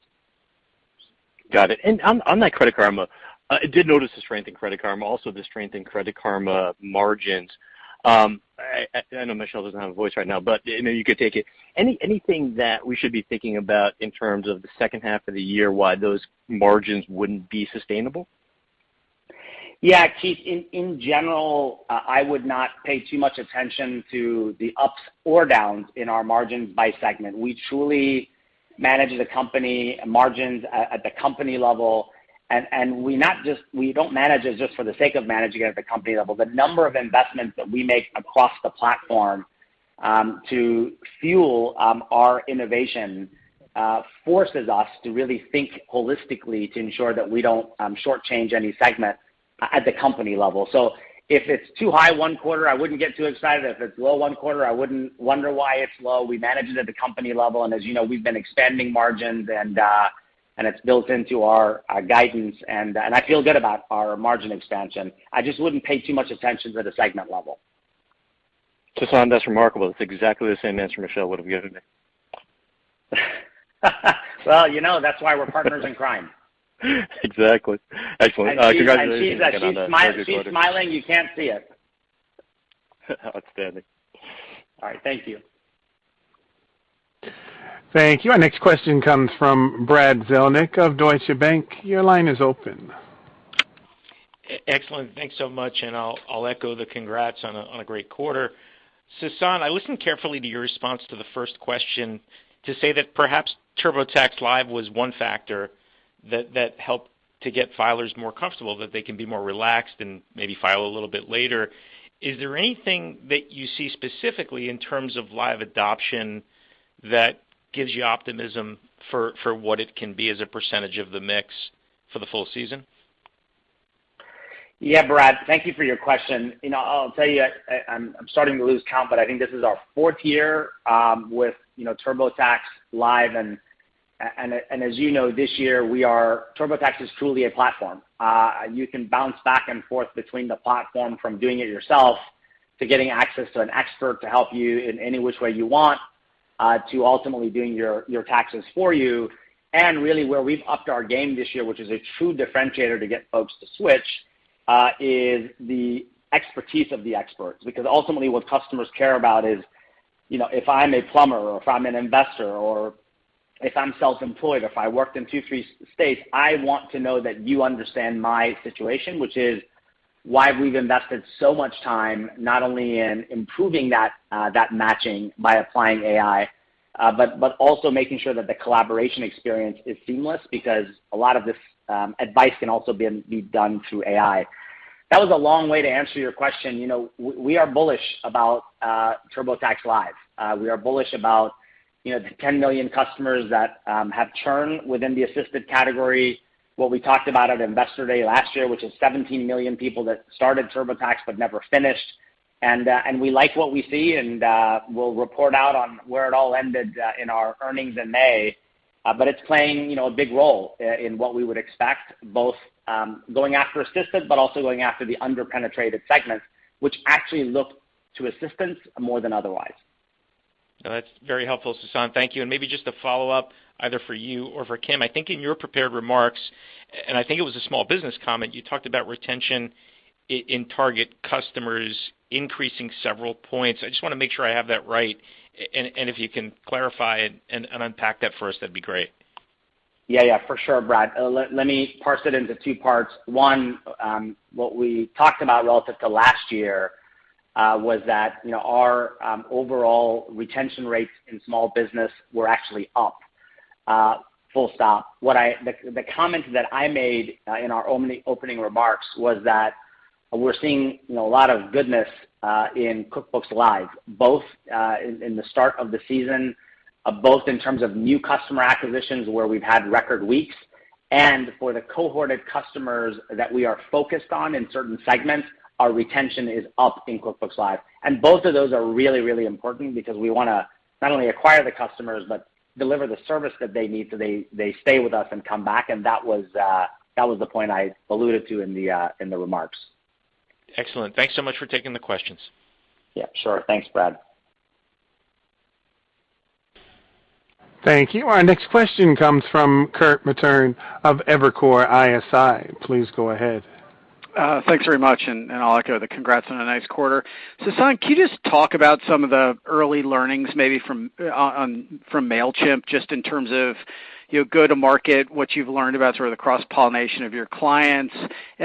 Got it. On that Credit Karma, I did notice the strength in Credit Karma, also the strength in Credit Karma margins. I know Michelle doesn't have a voice right now, but you know, you could take it. Anything that we should be thinking about in terms of the second half of the year why those margins wouldn't be sustainable? Yeah, Keith, in general, I would not pay too much attention to the ups or downs in our margins by segment. We truly manage the company margins at the company level, and we don't manage it just for the sake of managing it at the company level. The number of investments that we make across the platform to fuel our innovation forces us to really think holistically to ensure that we don't shortchange any segment at the company level. If it's too high one quarter, I wouldn't get too excited. If it's low one quarter, I wouldn't wonder why it's low. We manage it at the company level, and as you know, we've been expanding margins, and it's built into our guidance, and I feel good about our margin expansion. I just wouldn't pay too much attention to the segment level. Sasan, that's remarkable. It's exactly the same answer Michelle would have given me. Well, you know, that's why we're partners in crime. Exactly. Excellent. Congratulations. She's smiling. Again on a great quarter. She's smiling. You can't see it. Outstanding. All right. Thank you. Thank you. Our next question comes from Brad Zelnick of Deutsche Bank. Your line is open. Excellent. Thanks so much, and I'll echo the congrats on a great quarter. Sasan, I listened carefully to your response to the first question to say that perhaps TurboTax Live was one factor that helped to get filers more comfortable, that they can be more relaxed and maybe file a little bit later. Is there anything that you see specifically in terms of Live adoption that gives you optimism for what it can be as a percentage of the mix for the full season? Yeah, Brad, thank you for your question. You know, I'll tell you, I'm starting to lose count, but I think this is our fourth year with, you know, TurboTax Live and as you know, this year TurboTax is truly a platform. You can bounce back and forth between the platform from doing it yourself, to getting access to an expert to help you in any which way you want, to ultimately doing your taxes for you. Really where we've upped our game this year, which is a true differentiator to get folks to switch, is the expertise of the experts. Because ultimately what customers care about is, you know, if I'm a plumber or if I'm an investor or if I'm self-employed, if I worked in two, three states, I want to know that you understand my situation, which is why we've invested so much time, not only in improving that matching by applying AI, but also making sure that the collaboration experience is seamless because a lot of this advice can also be done through AI. That was a long way to answer your question. You know, we are bullish about TurboTax Live. We are bullish about, you know, the 10 million customers that have churned within the assisted category, what we talked about at Investor Day last year, which is 17 million people that started TurboTax but never finished. We like what we see, and we'll report out on where it all ended in our earnings in May. But it's playing, you know, a big role in what we would expect, both going after Assisted but also going after the under-penetrated segments, which actually look to Assistance more than otherwise. No, that's very helpful, Sasan. Thank you. Maybe just a follow-up, either for you or for Kim. I think in your prepared remarks, and I think it was a small business comment, you talked about retention in target customers increasing several points. I just want to make sure I have that right. If you can clarify and unpack that for us, that'd be great. Yeah, yeah, for sure, Brad. Let me parse it into two parts. One, what we talked about relative to last year was that, you know, our overall retention rates in small business were actually up, full stop. The comment that I made in our opening remarks was that we're seeing, you know, a lot of goodness in QuickBooks Live, both in the start of the season, both in terms of new customer acquisitions, where we've had record weeks, and for the cohort customers that we are focused on in certain segments, our retention is up in QuickBooks Live. Both of those are really, really important because we want to not only acquire the customers, but deliver the service that they need so they stay with us and come back, and that was the point I alluded to in the remarks. Excellent. Thanks so much for taking the questions. Yeah, sure. Thanks, Brad. Thank you. Our next question comes from Kirk Materne of Evercore ISI. Please go ahead. Thanks very much, and I'll echo the congrats on a nice quarter. Sasan, can you just talk about some of the early learnings maybe from, on, from Mailchimp, just in terms of, you know, go to market, what you've learned about sort of the cross-pollination of your clients?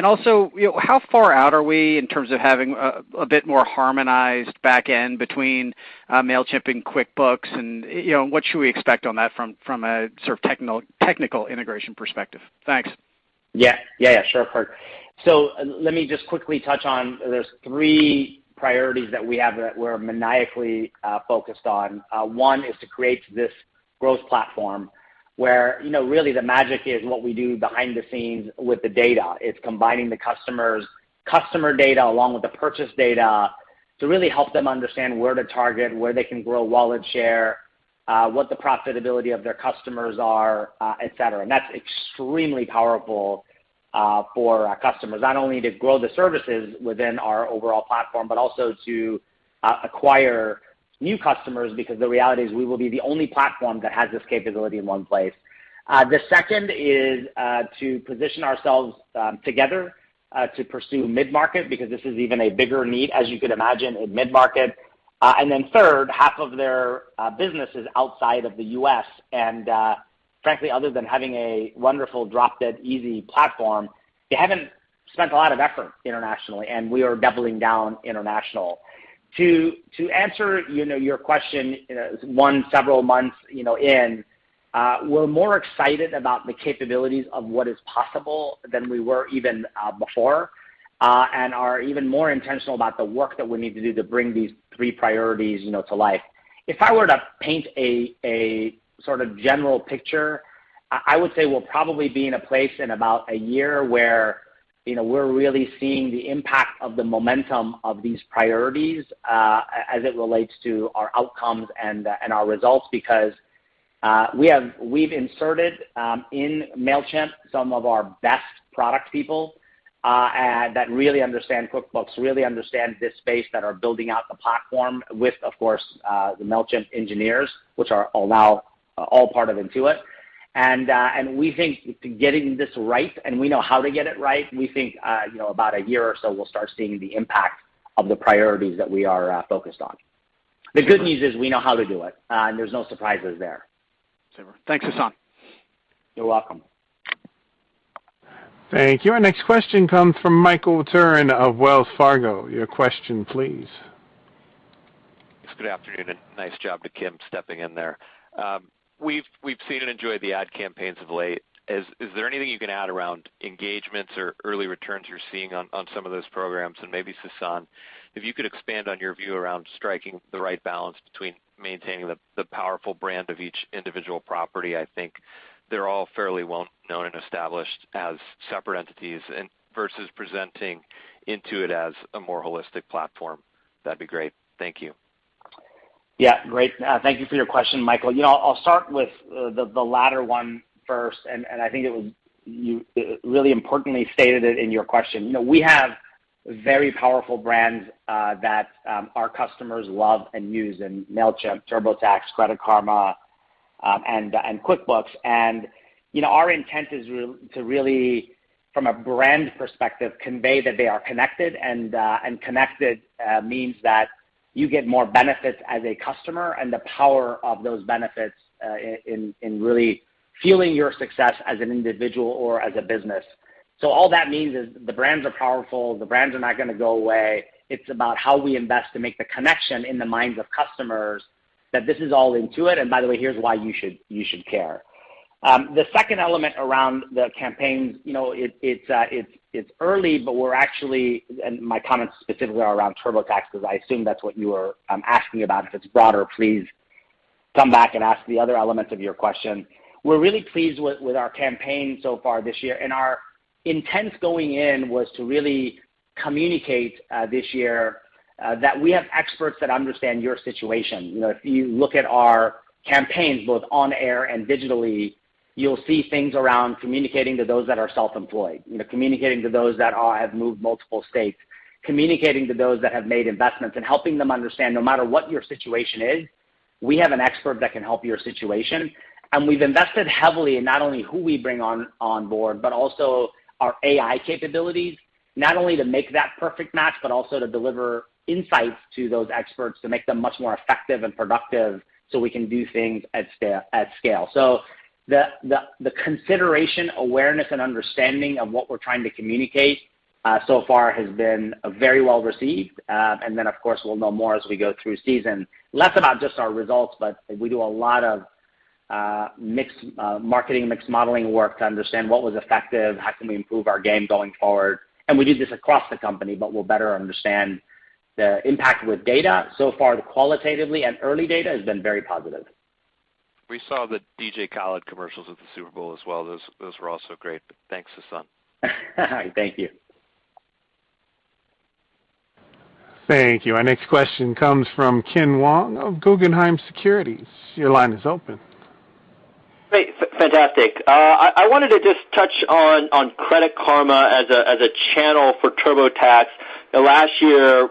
Also, you know, how far out are we in terms of having a bit more harmonized back end between, Mailchimp and QuickBooks and, you know, what should we expect on that from a sort of technol-technical integration perspective? Thanks. Yeah, sure, Kirk. Let me just quickly touch on, there's three priorities that we have that we're maniacally focused on. One is to create this growth platform where, you know, really the magic is what we do behind the scenes with the data. It's combining the customer's customer data along with the purchase data to really help them understand where to target, where they can grow wallet share, what the profitability of their customers are, et cetera. That's extremely powerful for our customers, not only to grow the services within our overall platform, but also to acquire new customers because the reality is we will be the only platform that has this capability in one place. The second is to position ourselves together to pursue mid-market because this is even a bigger need, as you can imagine, in mid-market. Then third, half of their business is outside of the U.S., and frankly, other than having a wonderful drop-dead easy platform, they haven't spent a lot of effort internationally, and we are doubling down international. To answer, you know, your question, you know, now several months in, we're more excited about the capabilities of what is possible than we were even before, and are even more intentional about the work that we need to do to bring these three priorities, you know, to life. If I were to paint a sort of general picture, I would say we'll probably be in a place in about a year where, you know, we're really seeing the impact of the momentum of these priorities, as it relates to our outcomes and our results because we've inserted in Mailchimp some of our best product people and that really understand QuickBooks, really understand this space, that are building out the platform with, of course, the Mailchimp engineers, which are all now part of Intuit. We think getting this right, and we know how to get it right, we think, you know, about a year or so, we'll start seeing the impact of the priorities that we are focused on. The good news is we know how to do it, and there's no surprises there. Sure. Thanks, Sasan. You're welcome. Thank you. Our next question comes from Michael Turrin of Wells Fargo. Your question, please. Yes, good afternoon, and nice job to Kim stepping in there. We've seen and enjoyed the ad campaigns of late. Is there anything you can add around engagements or early returns you're seeing on some of those programs? Maybe Sasan, if you could expand on your view around striking the right balance between maintaining the powerful brand of each individual property, I think they're all fairly well known and established as separate entities, and versus presenting Intuit as a more holistic platform. That'd be great. Thank you. Yeah. Great. Thank you for your question, Michael. You know, I'll start with the latter one first, and you really importantly stated it in your question. You know, we have very powerful brands that our customers love and use in Mailchimp, TurboTax, Credit Karma, and QuickBooks. You know, our intent is to really, from a brand perspective, convey that they are connected, and connected means that you get more benefits as a customer and the power of those benefits in really fueling your success as an individual or as a business. All that means is the brands are powerful, the brands are not going to go away. It's about how we invest to make the connection in the minds of customers that this is all Intuit, and by the way, here's why you should care. The second element around the campaigns, you know, it's early, but my comments specifically are around TurboTax because I assume that's what you are asking about. If it's broader, please come back and ask the other elements of your question. We're really pleased with our campaign so far this year. Our intents going in was to really communicate this year that we have experts that understand your situation. You know, if you look at our campaigns, both on air and digitally, you'll see things around communicating to those that are self-employed. You know, communicating to those that have moved multiple states. Communicating to those that have made investments and helping them understand no matter what your situation is, we have an expert that can help your situation. We've invested heavily in not only who we bring on board, but also our AI capabilities, not only to make that perfect match, but also to deliver insights to those experts to make them much more effective and productive, so we can do things at scale. The consideration, awareness, and understanding of what we're trying to communicate so far has been very well received. Then, of course, we'll know more as we go through season. Less about just our results, but we do a lot of marketing mix modeling work to understand what was effective, how can we improve our game going forward. We do this across the company, but we'll better understand the impact with data. So far, the qualitative and early data has been very positive. We saw the DJ Khaled commercials at the Super Bowl as well. Those were also great. Thanks, Sasan. Thank you. Thank you. Our next question comes from Ken Wong of Guggenheim Securities. Your line is open. Great. Fantastic. I wanted to just touch on Credit Karma as a channel for TurboTax. Last year,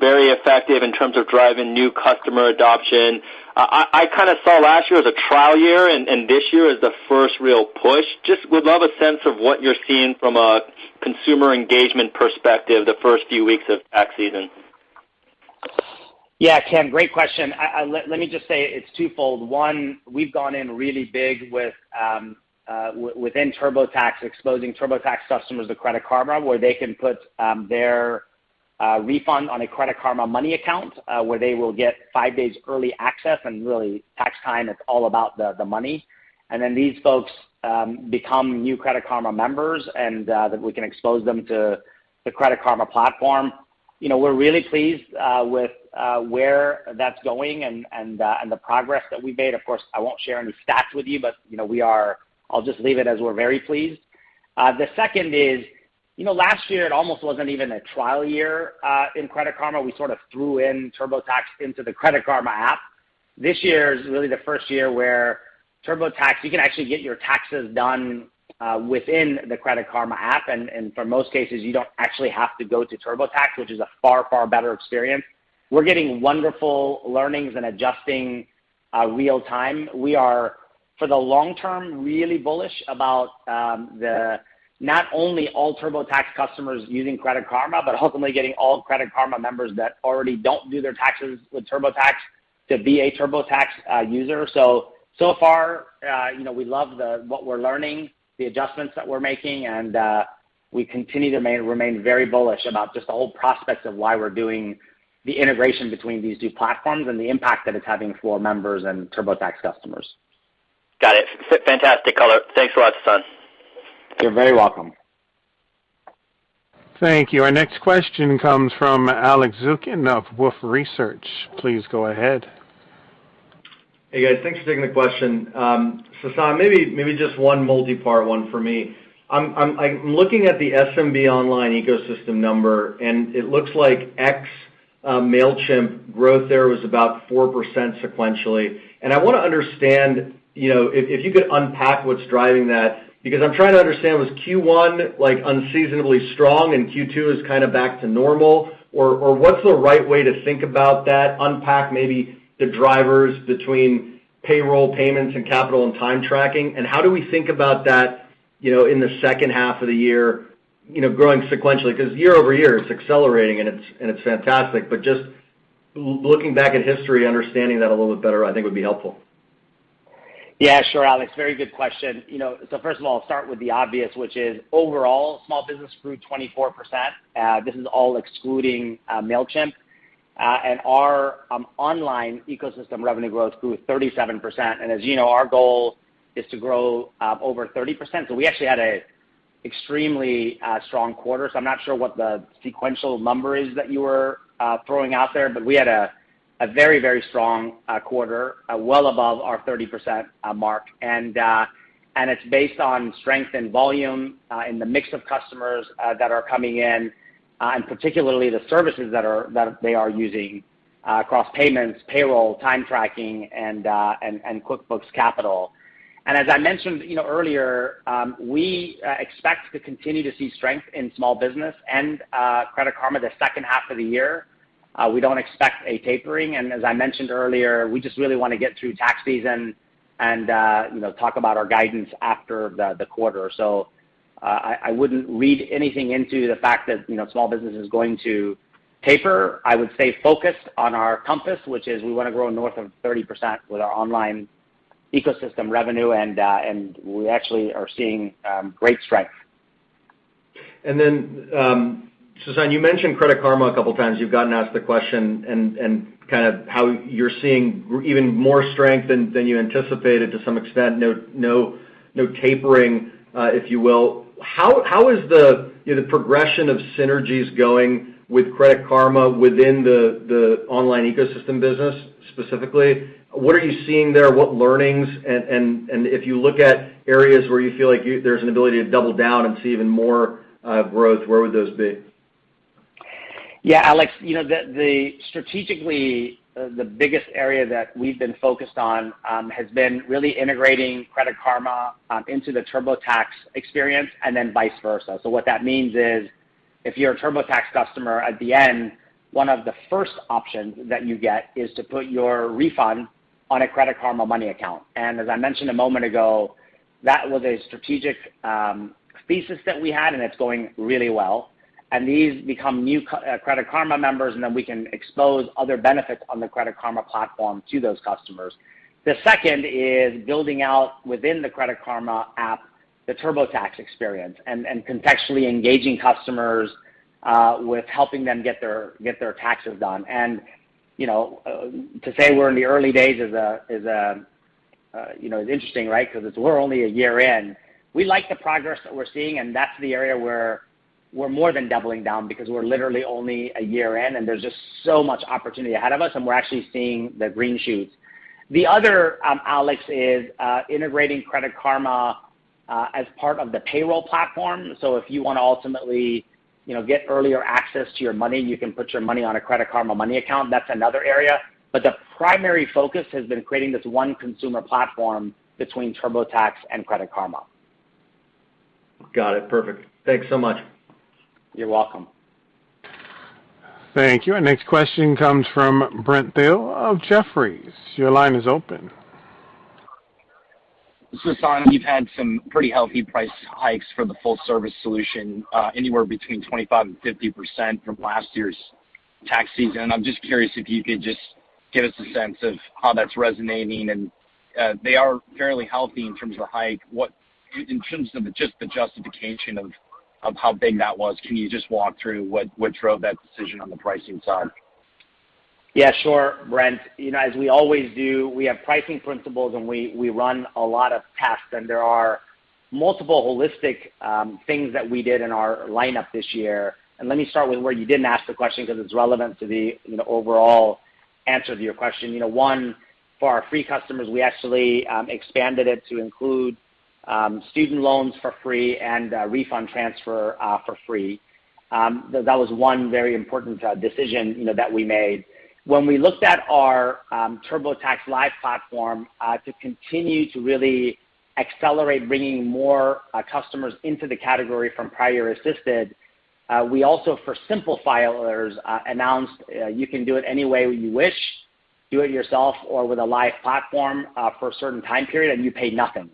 very effective in terms of driving new customer adoption. I kind of saw last year as a trial year and this year as the first real push. I just would love a sense of what you're seeing from a consumer engagement perspective the first few weeks of tax season. Yeah, Ken, great question. Let me just say it's twofold. One, we've gone in really big with, within TurboTax, exposing TurboTax customers to Credit Karma, where they can put their refund on a Credit Karma Money account, where they will get five days early access, and really tax time, it's all about the money. Then these folks become new Credit Karma members, and that we can expose them to the Credit Karma platform. You know, we're really pleased with where that's going and the progress that we've made. Of course, I won't share any stats with you, but you know, we are. I'll just leave it as we're very pleased. The second is, you know, last year it almost wasn't even a trial year in Credit Karma. We sort of threw in TurboTax into the Credit Karma app. This year is really the first year where TurboTax, you can actually get your taxes done within the Credit Karma app. For most cases, you don't actually have to go to TurboTax, which is a far, far better experience. We're getting wonderful learnings and adjusting real time. We are, for the long term, really bullish about the not only all TurboTax customers using Credit Karma, but hopefully getting all Credit Karma members that already don't do their taxes with TurboTax to be a TurboTax user. So far, you know, we love what we're learning, the adjustments that we're making, and we continue to remain very bullish about just the whole prospects of why we're doing the integration between these two platforms and the impact that it's having for our members and TurboTax customers. Got it. Fantastic color. Thanks a lot, Sasan. You're very welcome. Thank you. Our next question comes from Alex Zukin of Wolfe Research. Please go ahead. Hey, guys. Thanks for taking the question. Sasan, maybe just one multipart one for me. I'm like looking at the SMB online ecosystem number, and it looks like ex Mailchimp growth there was about 4% sequentially. I want to understand, you know, if you could unpack what's driving that, because I'm trying to understand was Q1 like unseasonably strong and Q2 is kind of back to normal? Or what's the right way to think about that, unpack maybe the drivers between payroll payments and capital and time tracking? How do we think about that, you know, in the second half of the year, you know, growing sequentially? 'Cause year over year, it's accelerating and it's fantastic. Just looking back at history, understanding that a little bit better, I think would be helpful. Yeah, sure, Alex. Very good question. You know, first of all, I'll start with the obvious, which is overall, small business grew 24%. This is all excluding Mailchimp. Our online ecosystem revenue growth grew 37%. As you know, our goal is to grow over 30%. We actually had an extremely strong quarter. I'm not sure what the sequential number is that you were throwing out there, but we had a very strong quarter, well above our 30% mark. It's based on strength and volume in the mix of customers that are coming in and particularly the services that they are using across Payments, Payroll, Time Tracking, and QuickBooks Capital. As I mentioned, you know, earlier, we expect to continue to see strength in small business and Credit Karma the second half of the year. We don't expect a tapering. As I mentioned earlier, we just really want to get through tax season and you know, talk about our guidance after the quarter. I wouldn't read anything into the fact that, you know, small business is going to taper. I would say focused on our compass, which is we want to grow north of 30% with our online ecosystem revenue, and we actually are seeing great strength. Sasan, you mentioned Credit Karma a couple of times. You've gotten asked the question and kind of how you're seeing even more strength than you anticipated to some extent, no tapering, if you will. How is the, you know, the progression of synergies going with Credit Karma within the online ecosystem business specifically? What are you seeing there? What learnings? And if you look at areas where you feel like there's an ability to double down and see even more growth, where would those be? Yeah, Alex, you know, strategically, the biggest area that we've been focused on has been really integrating Credit Karma into the TurboTax experience and then vice versa. What that means is if you're a TurboTax customer, at the end, one of the first options that you get is to put your refund on a Credit Karma Money account. As I mentioned a moment ago, that was a strategic thesis that we had, and it's going really well. These become new Credit Karma members, and then we can expose other benefits on the Credit Karma platform to those customers. The second is building out within the Credit Karma app, the TurboTax experience, and contextually engaging customers with helping them get their taxes done. You know, to say we're in the early days is interesting, right? 'Cause we're only a year in. We like the progress that we're seeing, and that's the area where we're more than doubling down because we're literally only a year in, and there's just so much opportunity ahead of us, and we're actually seeing the green shoots. The other, Alex, is integrating Credit Karma as part of the payroll platform. So if you want to ultimately, you know, get earlier access to your money, you can put your money on a Credit Karma Money account. That's another area. But the primary focus has been creating this one consumer platform between TurboTax and Credit Karma. Got it. Perfect. Thanks so much. You're welcome. Thank you. Our next question comes from Brent Thill of Jefferies. Your line is open. Sasan, you've had some pretty healthy price hikes for the full service solution, anywhere between 25%-50% from last year's tax season. I'm just curious if you could just give us a sense of how that's resonating. They are fairly healthy in terms of the hike. In terms of just the justification of how big that was, can you just walk through what drove that decision on the pricing side? Yeah, sure, Brent. You know, as we always do, we have pricing principles, and we run a lot of tests, and there are multiple holistic things that we did in our lineup this year. Let me start with where you didn't ask the question because it's relevant to the, you know, overall answer to your question. You know, one, for our free customers, we actually expanded it to include student loans for free and a refund transfer for free. That was one very important decision, you know, that we made. When we looked at our TurboTax Live platform to continue to really accelerate bringing more customers into the category from prior assisted, we also for simple filers announced you can do it any way you wish, do it yourself or with a live platform for a certain time period, and you pay nothing.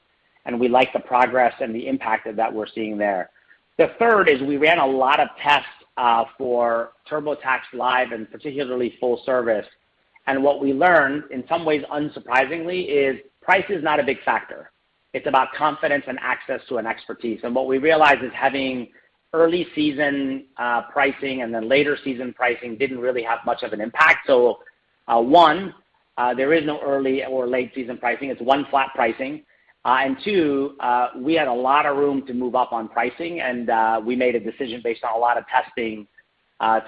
We like the progress and the impact of that we're seeing there. The third is we ran a lot of tests for TurboTax Live and particularly full service. What we learned, in some ways unsurprisingly, is price is not a big factor. It's about confidence and access to an expertise. What we realized is having early season pricing and then later season pricing didn't really have much of an impact. One, there is no early or late season pricing. It's one flat pricing. Two, we had a lot of room to move up on pricing, and we made a decision based on a lot of testing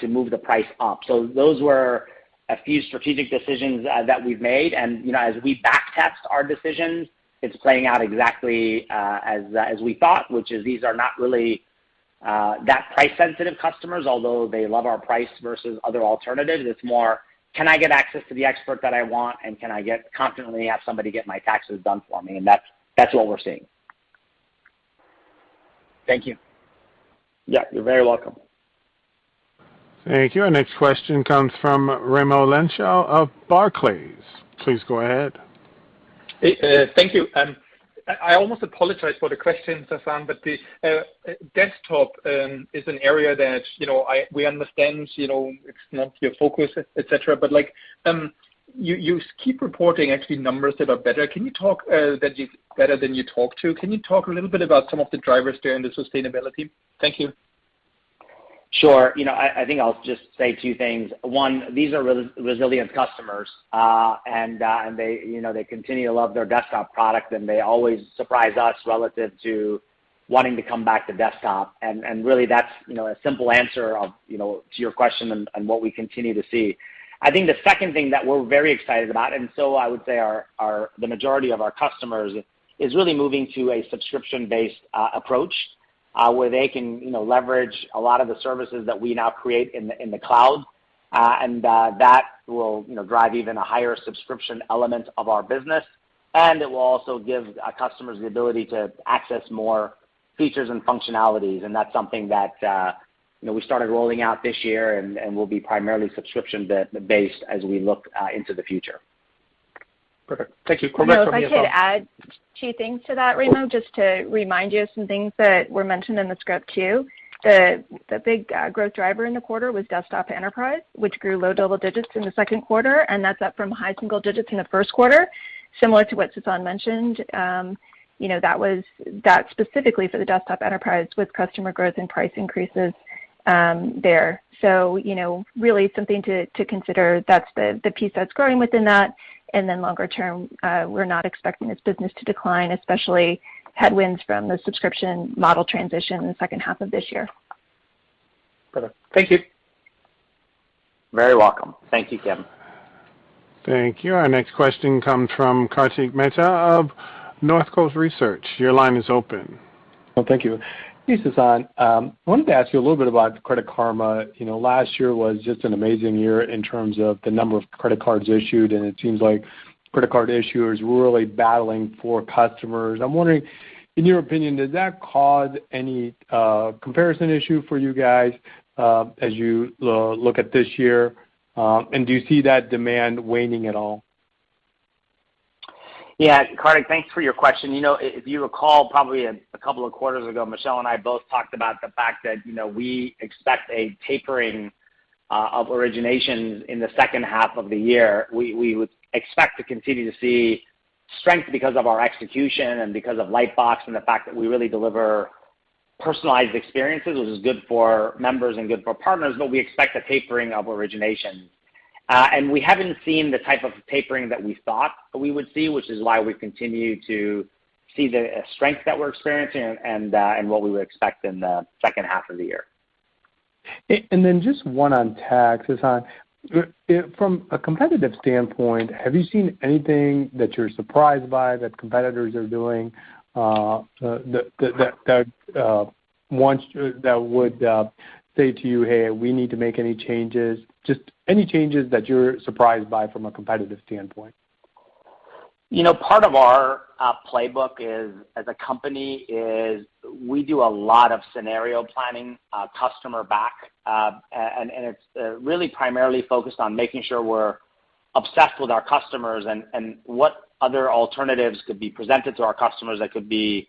to move the price up. Those were a few strategic decisions that we've made. You know, as we backtest our decisions, it's playing out exactly as we thought, which is these are not really that price-sensitive customers, although they love our price versus other alternatives. It's more, can I get access to the expert that I want? Can I confidently have somebody get my taxes done for me? That's what we're seeing. Thank you. Yeah. You're very welcome. Thank you. Our next question comes from Raimo Lenschow of Barclays. Please go ahead. Thank you. I almost apologize for the question, Sasan, but the desktop is an area that, you know, we understand, you know, it's not your focus, et cetera. Like, you keep reporting actually numbers that are better than you talked about. Can you talk a little bit about some of the drivers there and the sustainability? Thank you. Sure. You know, I think I'll just say two things. One, these are resilient customers. They, you know, continue to love their desktop product, and they always surprise us relative to wanting to come back to Desktop. Really that's, you know, a simple answer of, you know, to your question and what we continue to see. I think the second thing that we're very excited about, and so I would say our the majority of our customers is really moving to a subscription-based approach, where they can, you know, leverage a lot of the services that we now create in the cloud. That will, you know, drive even a higher subscription element of our business. It will also give our customers the ability to access more features and functionalities, and that's something that, you know, we started rolling out this year and will be primarily subscription based as we look into the future. Perfect. Thank you. If I could add two things to that, Raimo, just to remind you of some things that were mentioned in the script too. The big growth driver in the quarter was desktop enterprise, which grew low double digits in the second quarter, and that's up from high single digits in the first quarter. Similar to what Sasan mentioned, you know, that specifically for the desktop enterprise with customer growth and price increases, there. So, you know, really something to consider. That's the piece that's growing within that. Longer term, we're not expecting this business to decline, especially headwinds from the subscription model transition in the second half of this year. Perfect. Thank you. Very welcome. Thank you, Kim. Thank you. Our next question comes from Kartik Mehta of Northcoast Research. Your line is open. Oh, thank you. Hey, Sasan. Wanted to ask you a little bit about Credit Karma. You know, last year was just an amazing year in terms of the number of credit cards issued, and it seems like credit card issuers were really battling for customers. I'm wondering, in your opinion, does that cause any comparison issue for you guys as you look at this year? Do you see that demand waning at all? Yeah. Kartik, thanks for your question. You know, if you recall probably a couple of quarters ago, Michelle and I both talked about the fact that, you know, we expect a tapering of originations in the second half of the year. We would expect to continue to see strength because of our execution and because of Lightbox and the fact that we really deliver personalized experiences, which is good for members and good for partners, but we expect a tapering of originations. And we haven't seen the type of tapering that we thought we would see, which is why we continue to see the strength that we're experiencing and what we would expect in the second half of the year. Just one on tax, Sasan. From a competitive standpoint, have you seen anything that you're surprised by that competitors are doing, that would say to you, hey, we need to make any changes, just any changes that you're surprised by from a competitive standpoint? You know, part of our playbook is, as a company, is we do a lot of scenario planning, customer back, and it's really primarily focused on making sure we're obsessed with our customers and what other alternatives could be presented to our customers that could be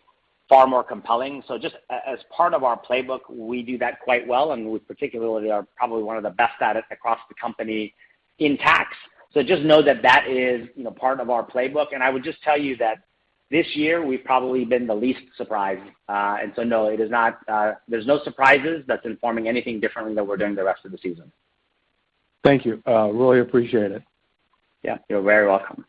far more compelling. Just as part of our playbook, we do that quite well, and we particularly are probably one of the best at it across the company in tax. Just know that is, you know, part of our playbook. I would just tell you that this year we've probably been the least surprised. No, it is not. There's no surprises that's informing anything differently than we're doing the rest of the season. Thank you. Really appreciate it. Yeah, you're very welcome.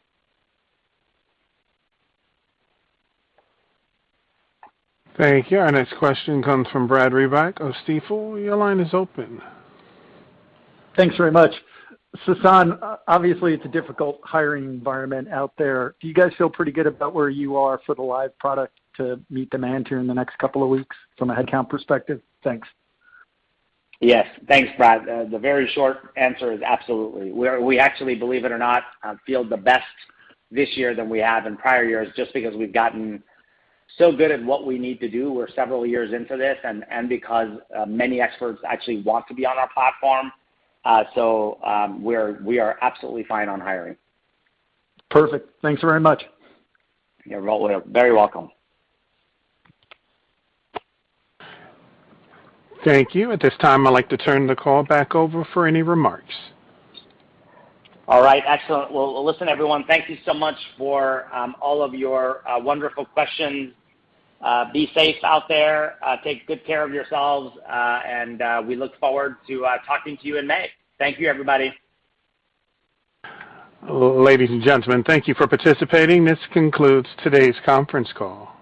Thank you. Our next question comes from Brad Reback of Stifel. Your line is open. Thanks very much. Sasan, obviously, it's a difficult hiring environment out there. Do you guys feel pretty good about where you are for the live product to meet demand here in the next couple of weeks from a headcount perspective? Thanks. Yes. Thanks, Brad. The very short answer is, absolutely. We actually, believe it or not, feel the best this year than we have in prior years just because we've gotten so good at what we need to do. We're several years into this and because many experts actually want to be on our platform. We are absolutely fine on hiring. Perfect. Thanks very much. You're very welcome. Thank you. At this time, I'd like to turn the call back over for any remarks. All right. Excellent. Well, listen, everyone, thank you so much for all of your wonderful questions. Be safe out there. Take good care of yourselves. We look forward to talking to you in May. Thank you, everybody. Ladies and gentlemen, thank you for participating. This concludes today's conference call.